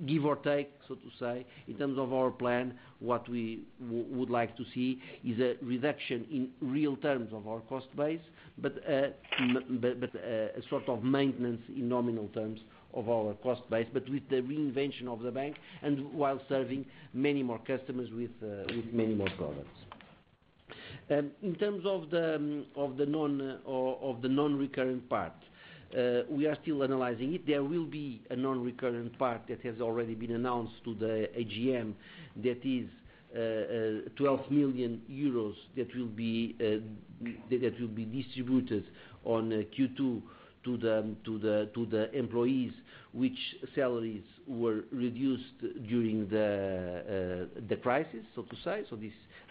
S3: give or take, so to say, in terms of our plan, what we would like to see is a reduction in real terms of our cost base, but a sort of maintenance in nominal terms of our cost base, but with the reinvention of the bank and while serving many more customers with many more products. In terms of the non-recurrent part, we are still analyzing it. There will be a non-recurrent part that has already been announced to the AGM that is 12 million euros that will be distributed on Q2 to the employees which salaries were reduced during the crisis, so to say.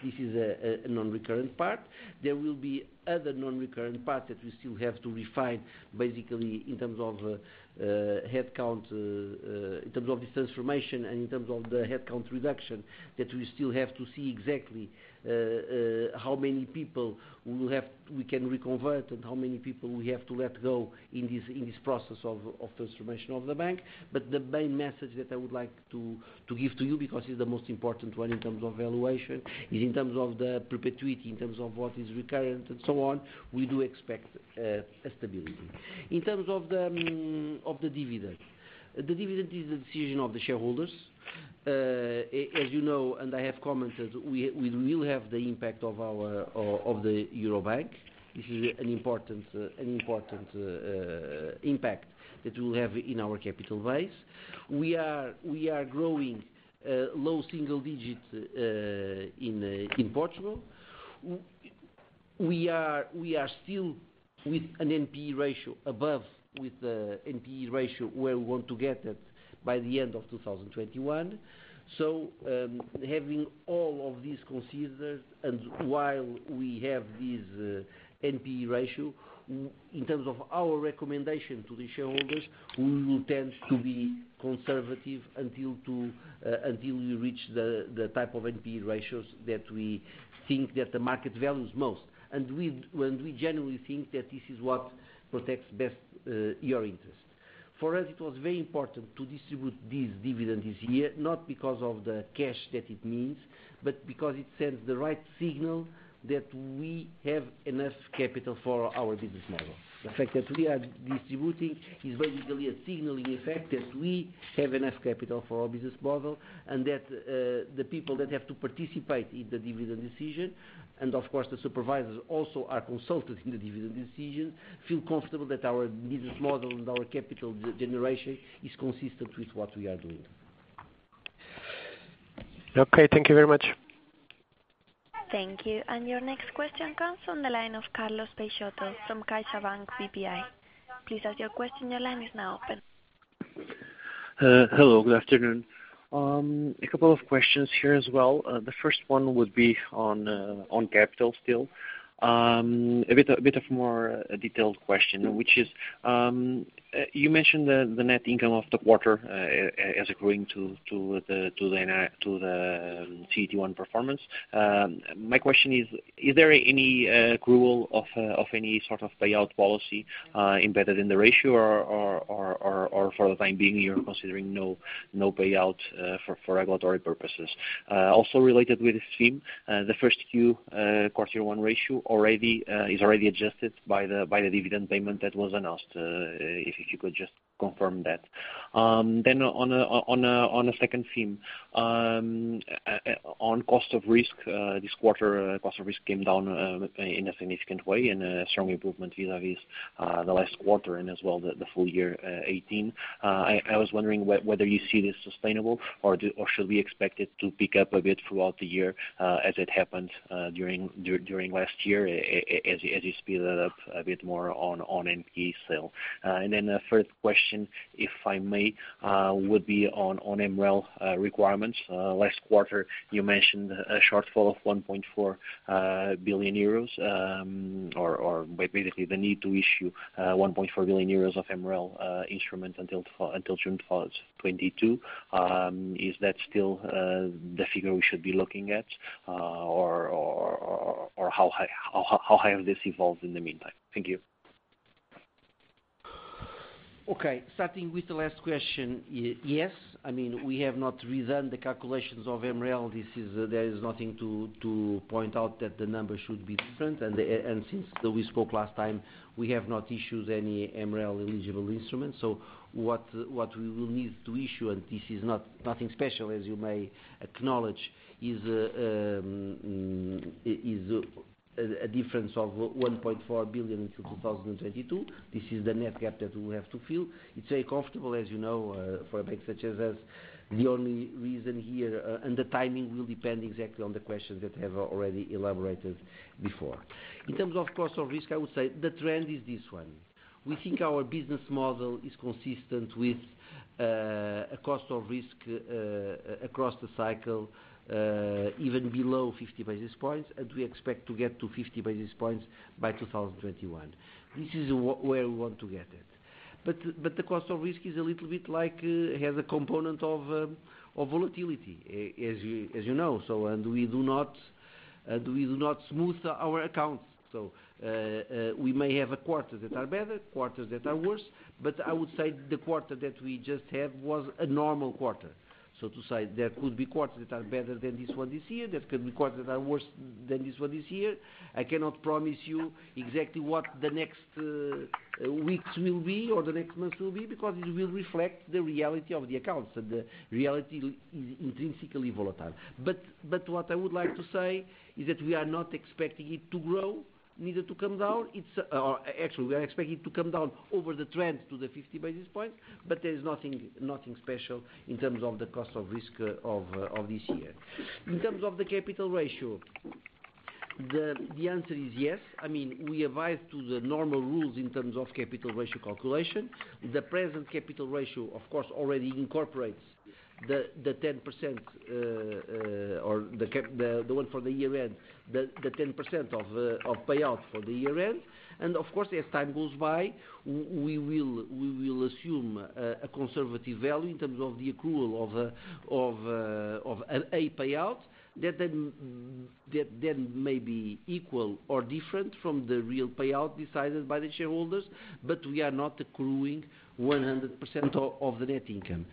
S3: This is a non-recurrent part. There will be other non-recurrent part that we still have to refine, basically in terms of headcount, in terms of this transformation, and in terms of the headcount reduction, that we still have to see exactly how many people we can reconvert and how many people we have to let go in this process of transformation of the bank. The main message that I would like to give to you, because it's the most important one in terms of valuation, is in terms of the perpetuity, in terms of what is recurrent and so on, we do expect stability. In terms of the dividend, the dividend is the decision of the shareholders. As you know, and I have commented, we will have the impact of the Euro Bank. This is an important impact that will have in our capital base. We are growing low single digits in Portugal. We are still with an NPE ratio above with the NPE ratio where we want to get it by the end of 2021. Having all of this considered and while we have this NPE ratio, in terms of our recommendation to the shareholders, we will tend to be conservative until we reach the type of NPE ratios that we think that the market values most. We generally think that this is what protects best your interest. For us, it was very important to distribute this dividend this year, not because of the cash that it needs, but because it sends the right signal that we have enough capital for our business model. The fact that we are distributing is basically a signaling effect that we have enough capital for our business model and that the people that have to participate in the dividend decision, and of course, the supervisors also are consulted in the dividend decision, feel comfortable that our business model and our capital generation is consistent with what we are doing.
S10: Okay, thank you very much.
S1: Thank you. Your next question comes from the line of Carlos Peixoto from CaixaBank BPI. Please ask your question. Your line is now open.
S10: Hello, good afternoon. A couple of questions here as well. The first one would be on capital still. A bit of more detailed question, which is, you mentioned the net income of the quarter as accruing to the CET1 performance. My question is: Is there any accrual of any sort of payout policy embedded in the ratio or for the time being, you're considering no payout for regulatory purposes? Related with this theme, the first Q, quarter one ratio is already adjusted by the dividend payment that was announced. If you could just confirm that. On a second theme, on cost of risk. This quarter, cost of risk came down in a significant way and a strong improvement vis-a-vis the last quarter and as well, the full year 2018. I was wondering whether you see this sustainable or should we expect it to pick up a bit throughout the year as it happened during last year as you speeded up a bit more on NPE sale? A third question, if I may, would be on MREL requirements. Last quarter, you mentioned a shortfall of 1.4 billion euros or basically the need to issue 1.4 billion euros of MREL instruments until June 2022. Is that still the figure we should be looking at? Or how high have this evolved in the meantime? Thank you.
S3: Okay. Starting with the last question, yes. We have not redone the calculations of MREL. There is nothing to point out that the numbers should be different. Since we spoke last time, we have not issued any MREL-eligible instruments. What we will need to issue, and this is nothing special, as you may acknowledge, is a difference of 1.4 billion through 2022. This is the net gap that we have to fill. It's very comfortable, as you know, for a bank such as us. The only reason here, the timing will depend exactly on the questions that have already elaborated before. In terms of cost of risk, I would say the trend is this one. We think our business model is consistent with a cost of risk across the cycle, even below 50 basis points, and we expect to get to 50 basis points by 2021. This is where we want to get it. The cost of risk is a little bit like it has a component of volatility, as you know. We do not smooth our accounts. We may have quarters that are better, quarters that are worse, but I would say the quarter that we just had was a normal quarter. To say there could be quarters that are better than this one this year, there could be quarters that are worse than this one this year. I cannot promise you exactly what the next weeks will be or the next months will be because it will reflect the reality of the accounts, and the reality is intrinsically volatile. What I would like to say is that we are not expecting it to grow, neither to come down. Actually, we are expecting it to come down over the trend to the 50 basis points, there is nothing special in terms of the cost of risk of this year. In terms of the capital ratio, the answer is yes. We advise to the normal rules in terms of capital ratio calculation. The present capital ratio, of course, already incorporates the one for the year end, the 10% of payout for the year end. Of course, as time goes by, we will assume a conservative value in terms of the accrual of a payout that then may be equal or different from the real payout decided by the shareholders. We are not accruing 100% of the net income.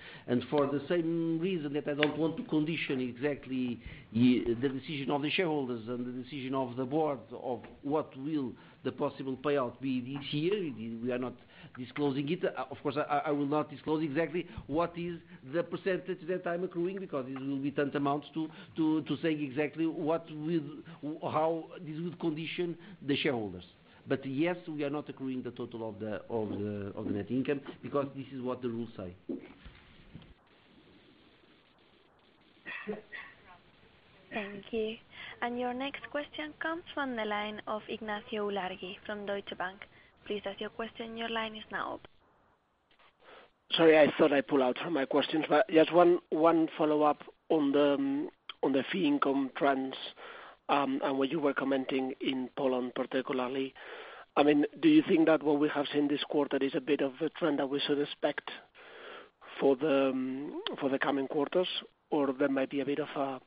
S3: For the same reason that I don't want to condition exactly the decision of the shareholders and the decision of the board of what will the possible payout be this year, we are not disclosing it. Of course, I will not disclose exactly what is the percentage that I'm accruing because it will be tantamount to saying exactly how this would condition the shareholders. Yes, we are not accruing the total of the net income because this is what the rules say.
S1: Thank you. Your next question comes from the line of Ignacio Ulargui from Deutsche Bank. Please ask your question. Your line is now open.
S5: Sorry, I thought I pulled out my questions, just one follow-up on the fee income trends and what you were commenting in Poland, particularly. Do you think that what we have seen this quarter is a bit of a trend that we should expect for the coming quarters, or there might be a bit of a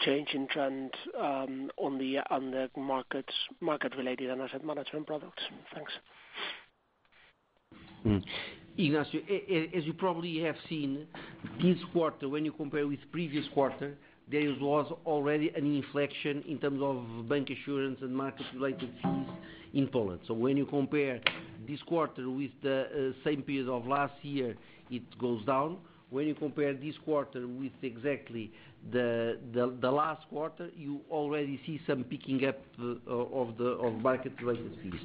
S5: change in trend on the market-related and asset management products? Thanks.
S3: Ignacio, as you probably have seen, this quarter, when you compare with previous quarter, there was already an inflection in terms of bancassurance and market-related fees in Poland. When you compare this quarter with the same period of last year, it goes down. When you compare this quarter with exactly the last quarter, you already see some picking up of market-related fees.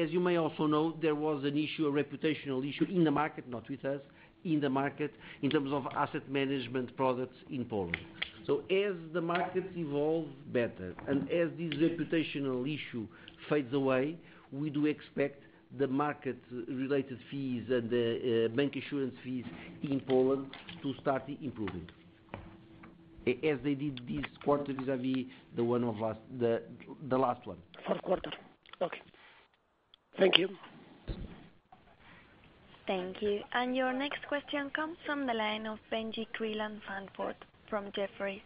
S3: As you may also know, there was an issue, a reputational issue in the market, not with us, in the market in terms of asset management products in Poland. As the markets evolve better and as this reputational issue fades away, we do expect the market-related fees and bancassurance fees in Poland to start improving, as they did this quarter vis-a-vis the last one.
S5: Fourth quarter. Okay. Thank you.
S1: Thank you. Your next question comes from the line of Benjie Creelan-Sandford from Jefferies.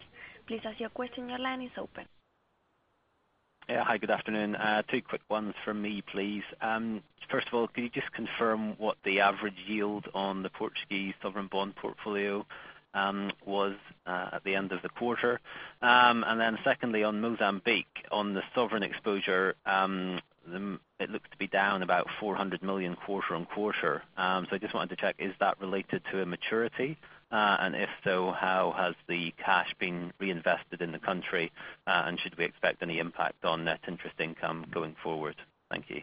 S1: Please ask your question. Your line is open.
S11: Yeah. Hi, good afternoon. Two quick ones from me, please. First of all, can you just confirm what the average yield on the Portuguese sovereign bond portfolio was at the end of the quarter? Secondly, on Mozambique, on the sovereign exposure, it looks to be down about 400 million quarter-on-quarter. I just wanted to check, is that related to a maturity? If so, how has the cash been reinvested in the country, and should we expect any impact on net interest income going forward? Thank you.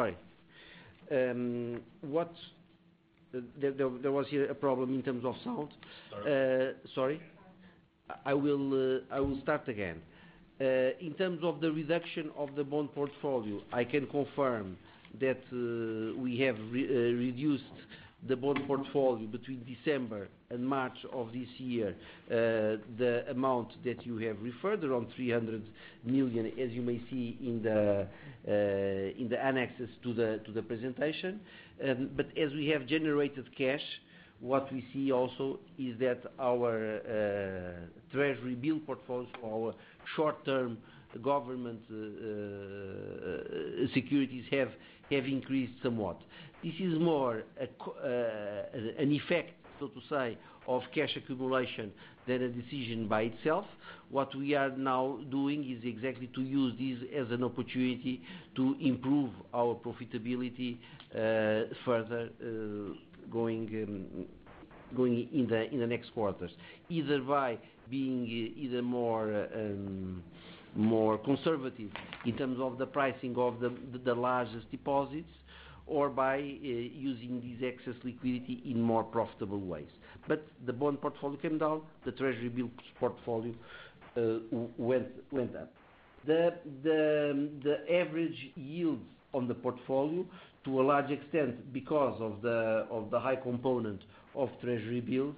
S3: I'm sorry. There was a problem in terms of sound. Sorry. I will start again. In terms of the reduction of the bond portfolio, I can confirm that we have reduced the bond portfolio between December and March of this year. The amount that you have referred, around 300 million, as you may see in the annexes to the presentation. As we have generated cash, what we see also is that our treasury bill portfolio, our short-term government securities have increased somewhat. This is more an effect, so to say, of cash accumulation than a decision by itself. What we are now doing is exactly to use this as an opportunity to improve our profitability further going in the next quarters, either by being more conservative in terms of the pricing of the largest deposits or by using this excess liquidity in more profitable ways. The bond portfolio came down, the treasury bill portfolio went up. The average yields on the portfolio, to a large extent, because of the high component of treasury bills,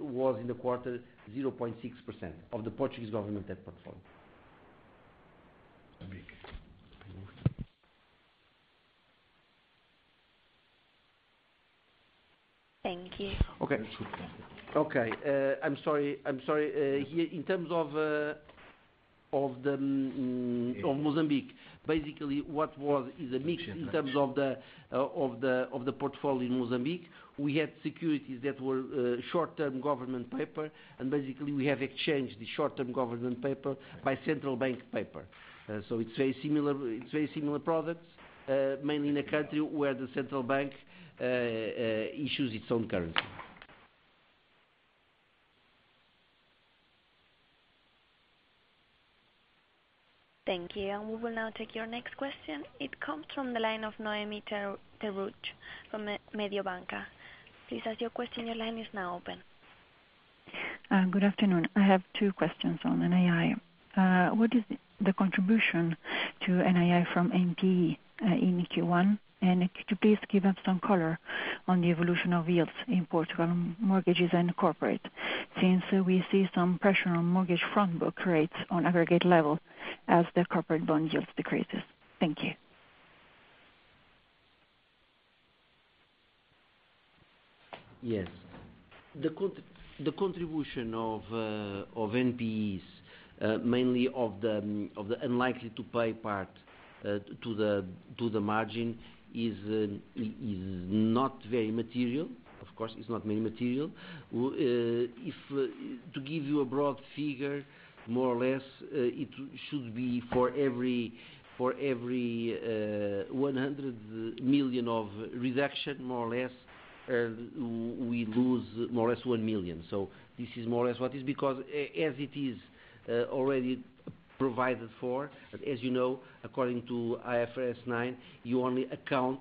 S3: was in the quarter 0.6% of the Portuguese government debt portfolio. Mozambique.
S1: Thank you.
S3: Okay. I'm sorry. Here, in terms of Mozambique, basically what was is a mix in terms of the portfolio in Mozambique. We had securities that were short-term government paper, and basically we have exchanged the short-term government paper by central bank paper. It's very similar products, mainly in a country where the central bank issues its own currency.
S1: Thank you. We will now take your next question. It comes from the line of Noemi Peruch from Mediobanca. Please ask your question. Your line is now open.
S12: Good afternoon. I have two questions on NII. What is the contribution to NII from NPE in Q1? Could you please give us some color on the evolution of yields in Portugal mortgages and corporate, since we see some pressure on mortgage front book rates on aggregate level as the corporate bond yields decreases. Thank you.
S3: Yes. The contribution of NPEs, mainly of the unlikely to pay part to the margin is not very material. Of course, it's not mainly material. To give you a broad figure, more or less, it should be for every 100 million of reduction, more or less, we lose more or less 1 million. This is more or less what is because as it is already provided for, as you know, according to IFRS 9, you only account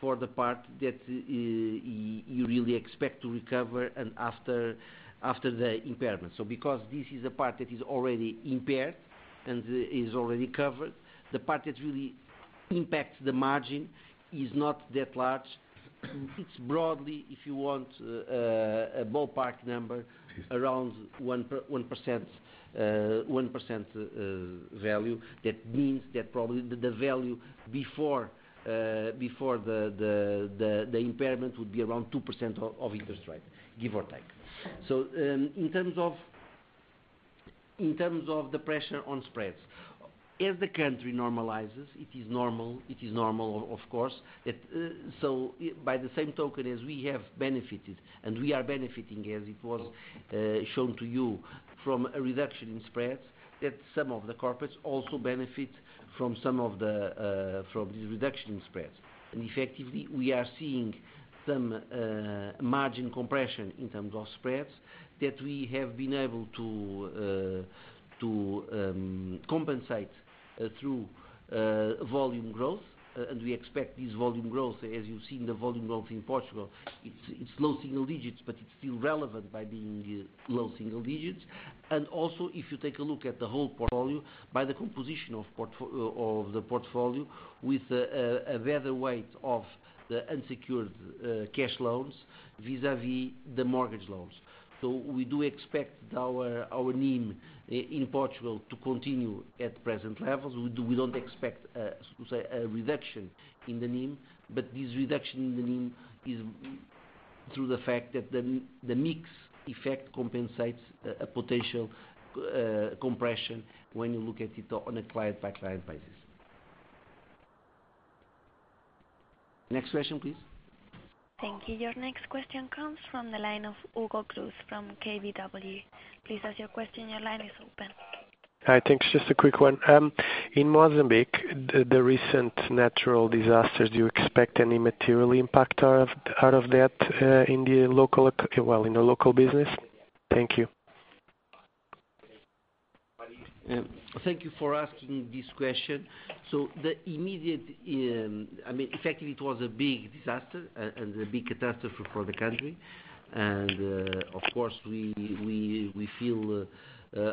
S3: for the part that you really expect to recover and after the impairment. Because this is a part that is already impaired and is already covered, the part that really impacts the margin is not that large. It's broadly, if you want a ballpark number, around 1% value. That means that probably the value before the impairment would be around 2% of interest rate, give or take. In terms of the pressure on spreads, as the country normalizes, it is normal, of course. By the same token as we have benefited and we are benefiting as it was shown to you from a reduction in spreads, that some of the corporates also benefit from this reduction in spreads. Effectively, we are seeing some margin compression in terms of spreads that we have been able to compensate through volume growth. We expect this volume growth, as you've seen the volume growth in Portugal, it's low single digits, but it's still relevant by being low single digits. Also, if you take a look at the whole portfolio, by the composition of the portfolio with a better weight of the unsecured cash loans vis-a-vis the mortgage loans. We do expect our NIM in Portugal to continue at present levels. We don't expect a reduction in the NIM, this reduction in the NIM is through the fact that the mix effect compensates a potential compression when you look at it on a client-by-client basis. Next question, please.
S1: Thank you. Your next question comes from the line of Hugo Cruz from KBW. Please ask your question, your line is open.
S9: Hi, thanks. Just a quick one. In Mozambique, the recent natural disasters, do you expect any material impact out of that in the local business? Thank you.
S3: Thank you for asking this question. Effectively, it was a big disaster and a big catastrophe for the country. Of course, we feel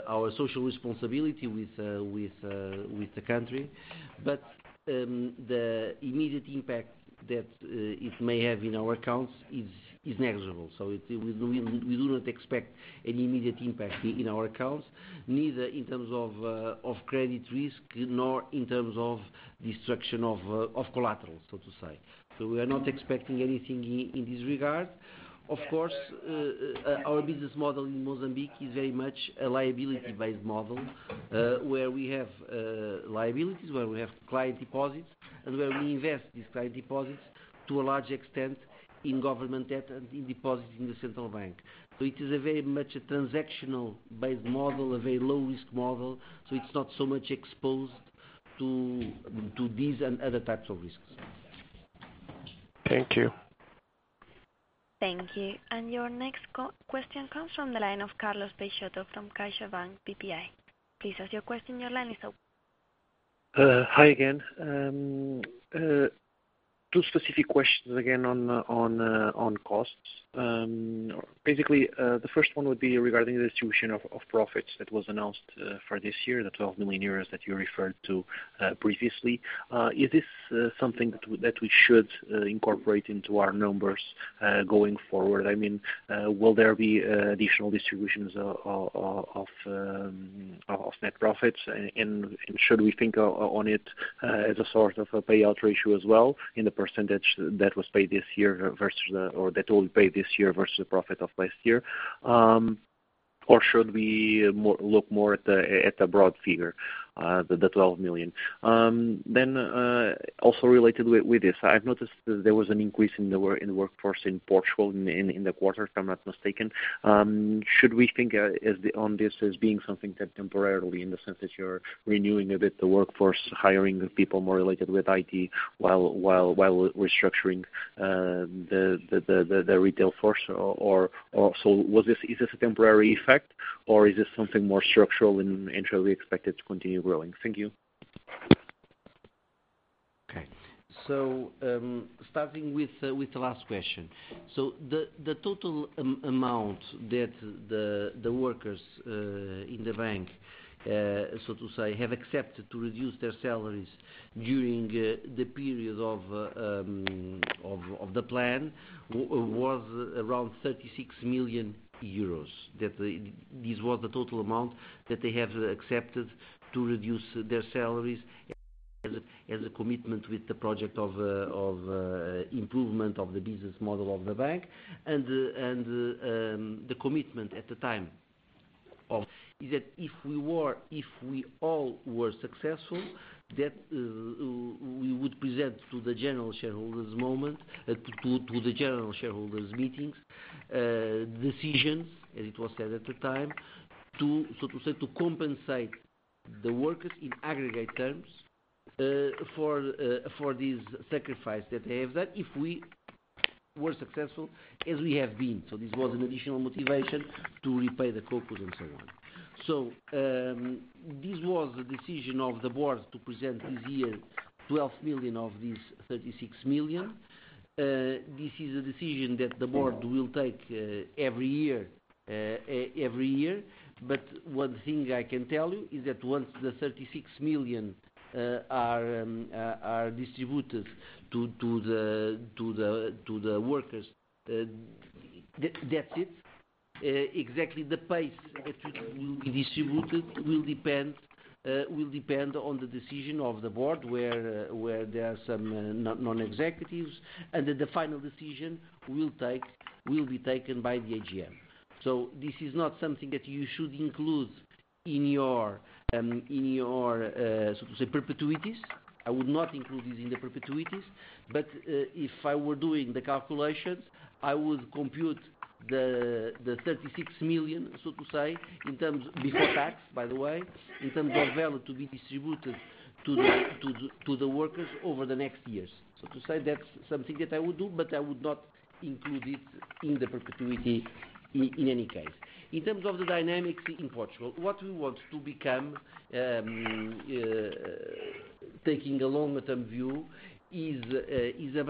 S3: our social responsibility with the country. The immediate impact that it may have in our accounts is negligible. We do not expect any immediate impact in our accounts, neither in terms of credit risk nor in terms of destruction of collaterals, so to say. We are not expecting anything in this regard. Of course, our business model in Mozambique is very much a liability-based model, where we have liabilities, where we have client deposits, and where we invest these client deposits to a large extent in government debt and in deposits in the central bank. It is a very much a transactional-based model, a very low-risk model. It's not so much exposed to these and other types of risks.
S9: Thank you.
S1: Thank you. Your next question comes from the line of Carlos Peixoto from CaixaBank BPI. Please ask your question. Your line is open.
S10: Hi again. Two specific questions again on costs. The first one would be regarding the distribution of profits that was announced for this year, the 12 million euros that you referred to previously. Is this something that we should incorporate into our numbers, going forward? Will there be additional distributions of net profits, should we think on it as a sort of a payout ratio as well in the % that will pay this year versus the profit of last year? Should we look more at the broad figure, the 12 million? Also related with this, I've noticed that there was an increase in the workforce in Portugal in the quarter, if I'm not mistaken. Should we think on this as being something temporary in the sense that you're renewing a bit the workforce, hiring people more related with IT while restructuring the retail force? Is this a temporary effect, is this something more structural and should we expect it to continue growing? Thank you.
S3: Starting with the last question. The total amount that the workers in the bank, so to say, have accepted to reduce their salaries during the period of the plan was around 36 million euros. This was the total amount that they have accepted to reduce their salaries as a commitment with the project of improvement of the business model of the bank. The commitment at the time of that, if we all were successful, that we would present to the general shareholders meetings, decisions, as it was said at the time, so to say, to compensate the workers in aggregate terms, for this sacrifice that they have made, if we were successful as we have been. This was an additional motivation to repay the CoCo and so on. This was a decision of the board to present this year 12 million of these 36 million. This is a decision that the board will take every year. One thing I can tell you is that once the 36 million are distributed to the workers, that's it. Exactly the pace that it will be distributed will depend on the decision of the board, where there are some non-executives, the final decision will be taken by the AGM. This is not something that you should include in your, so to say, perpetuities. I would not include this in the perpetuities. If I were doing the calculations, I would compute the 36 million, so to say, before tax, by the way, in terms of value to be distributed to the workers over the next years. To say, that's something that I would do, but I would not include it in the perpetuity in any case. In terms of the dynamics in Portugal, what we want to become, taking a long-term view, is a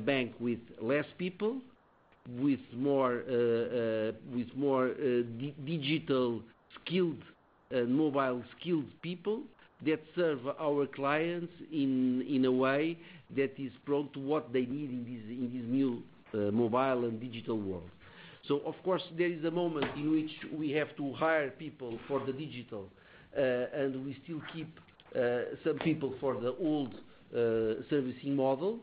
S3: bank with less people, with more digital skilled and mobile skilled people that serve our clients in a way that is prone to what they need in this new mobile and digital world. Of course, there is a moment in which we have to hire people for the digital, and we still keep some people for the old servicing model.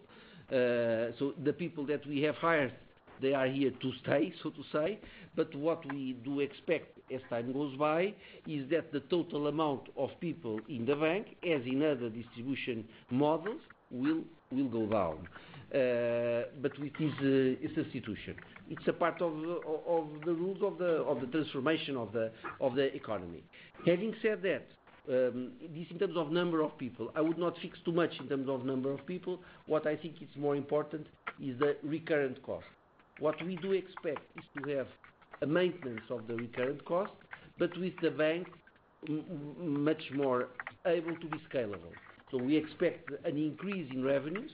S3: The people that we have hired, they are here to stay, so to say. What we do expect as time goes by is that the total amount of people in the bank, as in other distribution models, will go down. It's a situation. It's a part of the rules of the transformation of the economy. Having said that, this in terms of number of people, I would not fix too much in terms of number of people. What I think is more important is the recurrent cost. What we do expect is to have a maintenance of the recurrent cost, but with the bank much more able to be scalable. We expect an increase in revenues,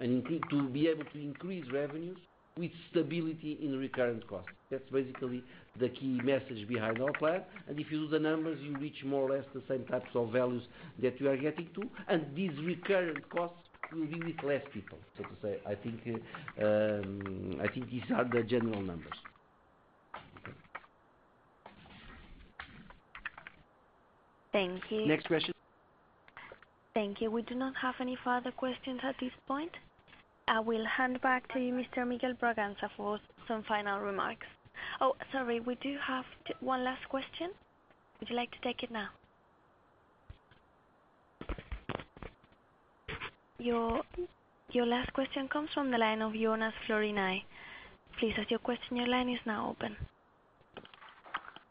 S3: to be able to increase revenues with stability in recurrent costs. That's basically the key message behind our plan. If you do the numbers, you reach more or less the same types of values that we are getting to, and these recurrent costs will be with less people, so to say. I think these are the general numbers.
S1: Thank you.
S3: Next question.
S1: Thank you. We do not have any further questions at this point. I will hand back to you, Mr. Miguel Bragança, for some final remarks. Oh, sorry. We do have one last question. Would you like to take it now? Your last question comes from the line of Jonas Floriani. Please ask your question. Your line is now open.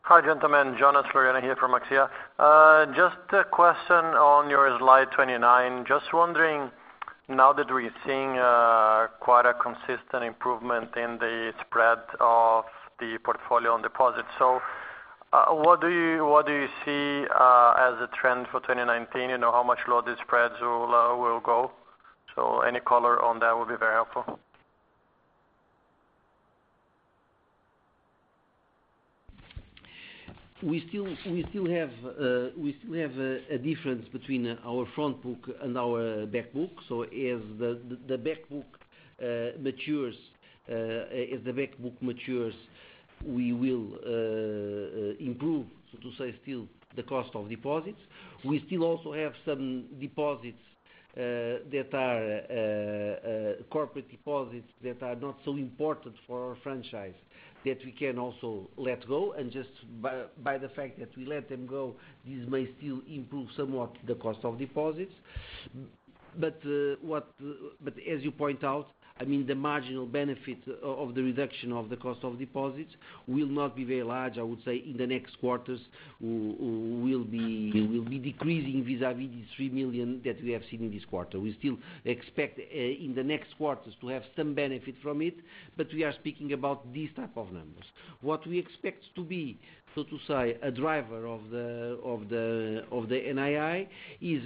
S13: Hi, gentlemen. Jonas Floriani here from AXIA. Just a question on your slide 29. Just wondering, now that we're seeing quite a consistent improvement in the spread of the portfolio on deposits. What do you see as a trend for 2019? How much lower these spreads will go? Any color on that would be very helpful.
S3: We still have a difference between our front book and our back book. As the back book matures, we will improve, so to say still, the cost of deposits. We still also have some deposits that are corporate deposits that are not so important for our franchise that we can also let go and just by the fact that we let them go, this may still improve somewhat the cost of deposits. As you point out, the marginal benefit of the reduction of the cost of deposits will not be very large. I would say in the next quarters, we'll be decreasing vis-a-vis the 3 million that we have seen in this quarter. We still expect in the next quarters to have some benefit from it, but we are speaking about these type of numbers. What we expect to be, so to say, a driver of the NII is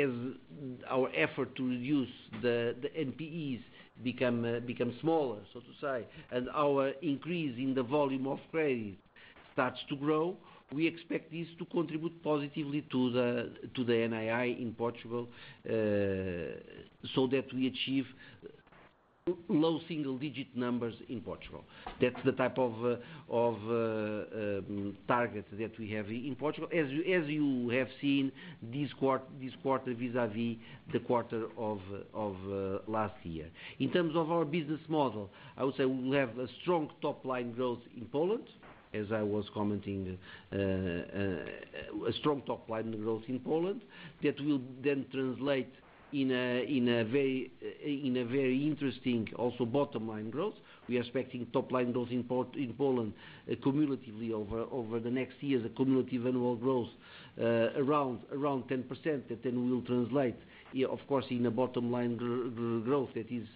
S3: as our effort to reduce the NPEs become smaller, so to say, and our increase in the volume of credit starts to grow, we expect this to contribute positively to the NII in Portugal, so that we achieve low single-digit numbers in Portugal. That's the type of target that we have in Portugal as you have seen this quarter, vis-a-vis the quarter of last year. In terms of our business model, I would say we will have a strong top-line growth in Poland, as I was commenting. A strong top-line growth in Poland that will then translate in a very interesting also bottom-line growth. We are expecting top-line growth in Poland cumulatively over the next years. A cumulative annual growth around 10% that will translate, of course, in a bottom-line growth that is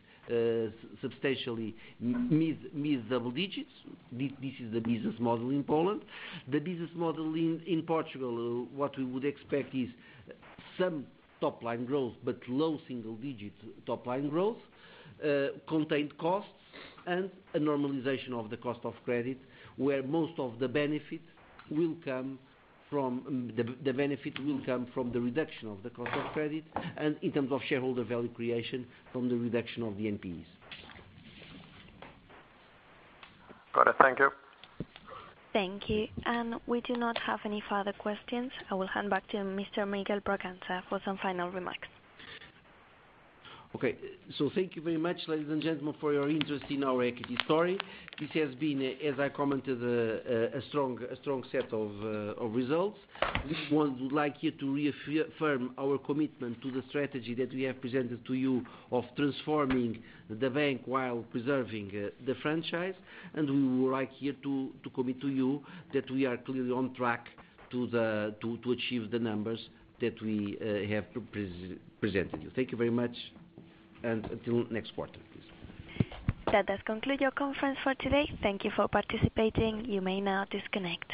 S3: substantially mid double digits. This is the business model in Poland. The business model in Portugal, what we would expect is some top-line growth, but low single digits top-line growth, contained costs, and a normalization of the cost of credit, where the benefit will come from the reduction of the cost of credit, and in terms of shareholder value creation, from the reduction of the NPEs.
S13: Got it. Thank you.
S1: Thank you. We do not have any further questions. I will hand back to Mr. Miguel Bragança for some final remarks.
S3: Thank you very much, ladies and gentlemen, for your interest in our equity story. This has been, as I commented, a strong set of results. We would like here to reaffirm our commitment to the strategy that we have presented to you of transforming the bank while preserving the franchise. We would like here to commit to you that we are clearly on track to achieve the numbers that we have presented you. Thank you very much, and until next quarter, please.
S1: That does conclude your conference for today. Thank you for participating. You may now disconnect.